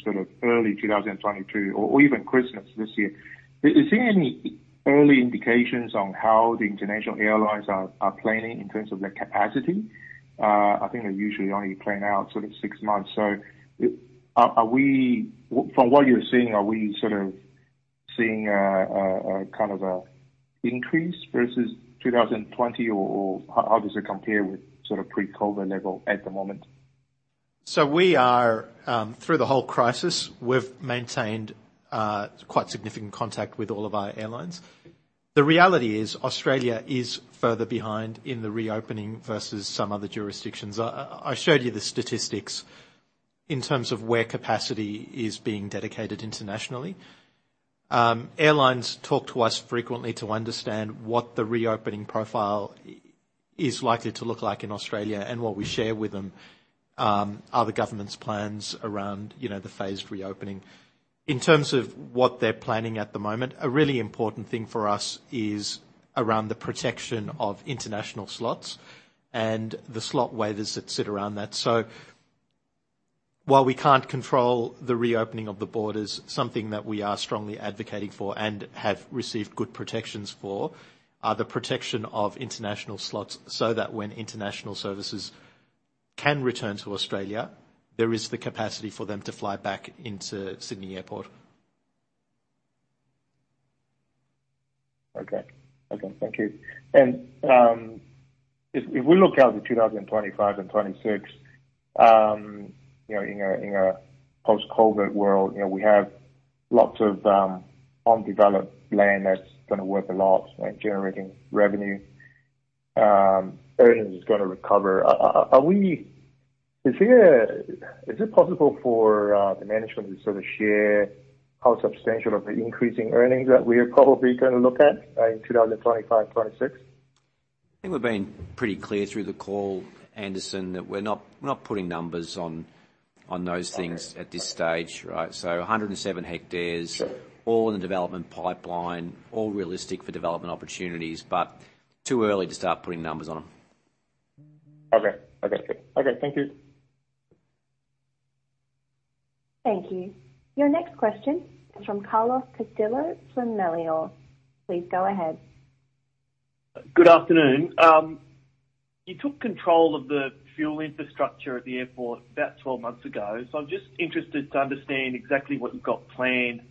Q: early 2022 or even Christmas this year, is there any early indications on how the international airlines are planning in terms of their capacity? I think they usually only plan out six months. From what you're seeing, are we seeing a kind of increase versus 2020, or how does it compare with pre-COVID level at the moment?
D: We are, through the whole crisis, we've maintained quite significant contact with all of our airlines. The reality is, Australia is further behind in the reopening versus some other jurisdictions. I showed you the statistics in terms of where capacity is being dedicated internationally. Airlines talk to us frequently to understand what the reopening profile is likely to look like in Australia, what we share with them are the government's plans around the phased reopening. In terms of what they're planning at the moment, a really important thing for us is around the protection of international slots and the slot waivers that sit around that. While we can't control the reopening of the borders, something that we are strongly advocating for and have received good protections for are the protection of international slots, so that when international services can return to Australia, there is the capacity for them to fly back into Sydney Airport.
Q: Okay. Thank you. If we look out to 2025 and 2026, in a post-COVID world, we have lots of undeveloped land that's going to work a lot and generating revenue. Earnings is going to recover. Is it possible for the management to share how substantial of the increasing earnings that we are probably going to look at in 2025, 2026?
A: I think we've been pretty clear through the call, Anderson, that we're not putting numbers on those things at this stage, right? 107 ha.
Q: Sure
A: All in the development pipeline, all realistic for development opportunities, but too early to start putting numbers on them.
Q: Okay. Thank you.
E: Thank you. Your next question is from Carlos Castillo from Melior. Please go ahead.
R: Good afternoon. You took control of the fuel infrastructure at the airport about 12 months ago. I'm just interested to understand exactly what you've got planned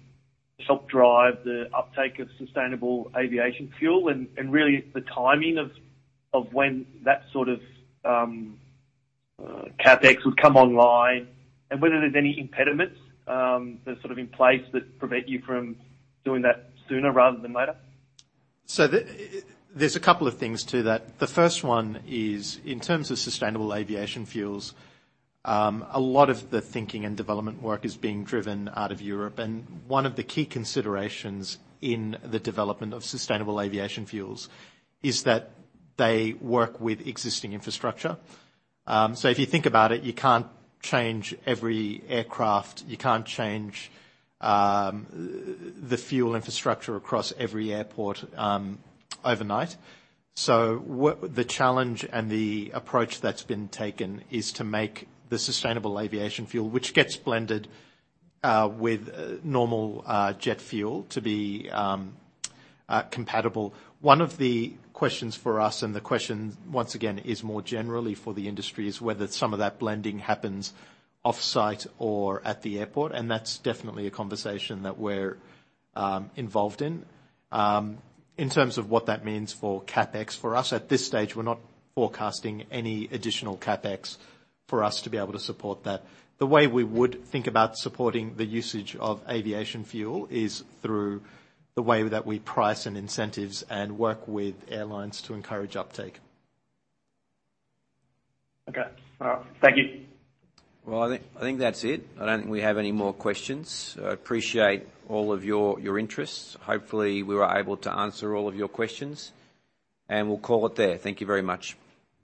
R: to help drive the uptake of sustainable aviation fuel and really the timing of when that sort of CapEx would come online and whether there's any impediments that are in place that prevent you from doing that sooner rather than later.
D: There's a couple of things to that. The first one is in terms of sustainable aviation fuels, a lot of the thinking and development work is being driven out of Europe, and one of the key considerations in the development of sustainable aviation fuels is that they work with existing infrastructure. If you think about it, you can't change every aircraft, you can't change the fuel infrastructure across every airport overnight. The challenge and the approach that's been taken is to make the sustainable aviation fuel, which gets blended with normal jet fuel, to be compatible. One of the questions for us, and the question once again is more generally for the industry, is whether some of that blending happens offsite or at the airport, and that's definitely a conversation that we're involved in. In terms of what that means for CapEx for us, at this stage, we're not forecasting any additional CapEx for us to be able to support that. The way we would think about supporting the usage of aviation fuel is through the way that we price and incentives and work with airlines to encourage uptake.
R: Okay. All right. Thank you.
A: Well, I think that's it. I don't think we have any more questions. I appreciate all of your interests. Hopefully we were able to answer all of your questions, and we'll call it there. Thank you very much.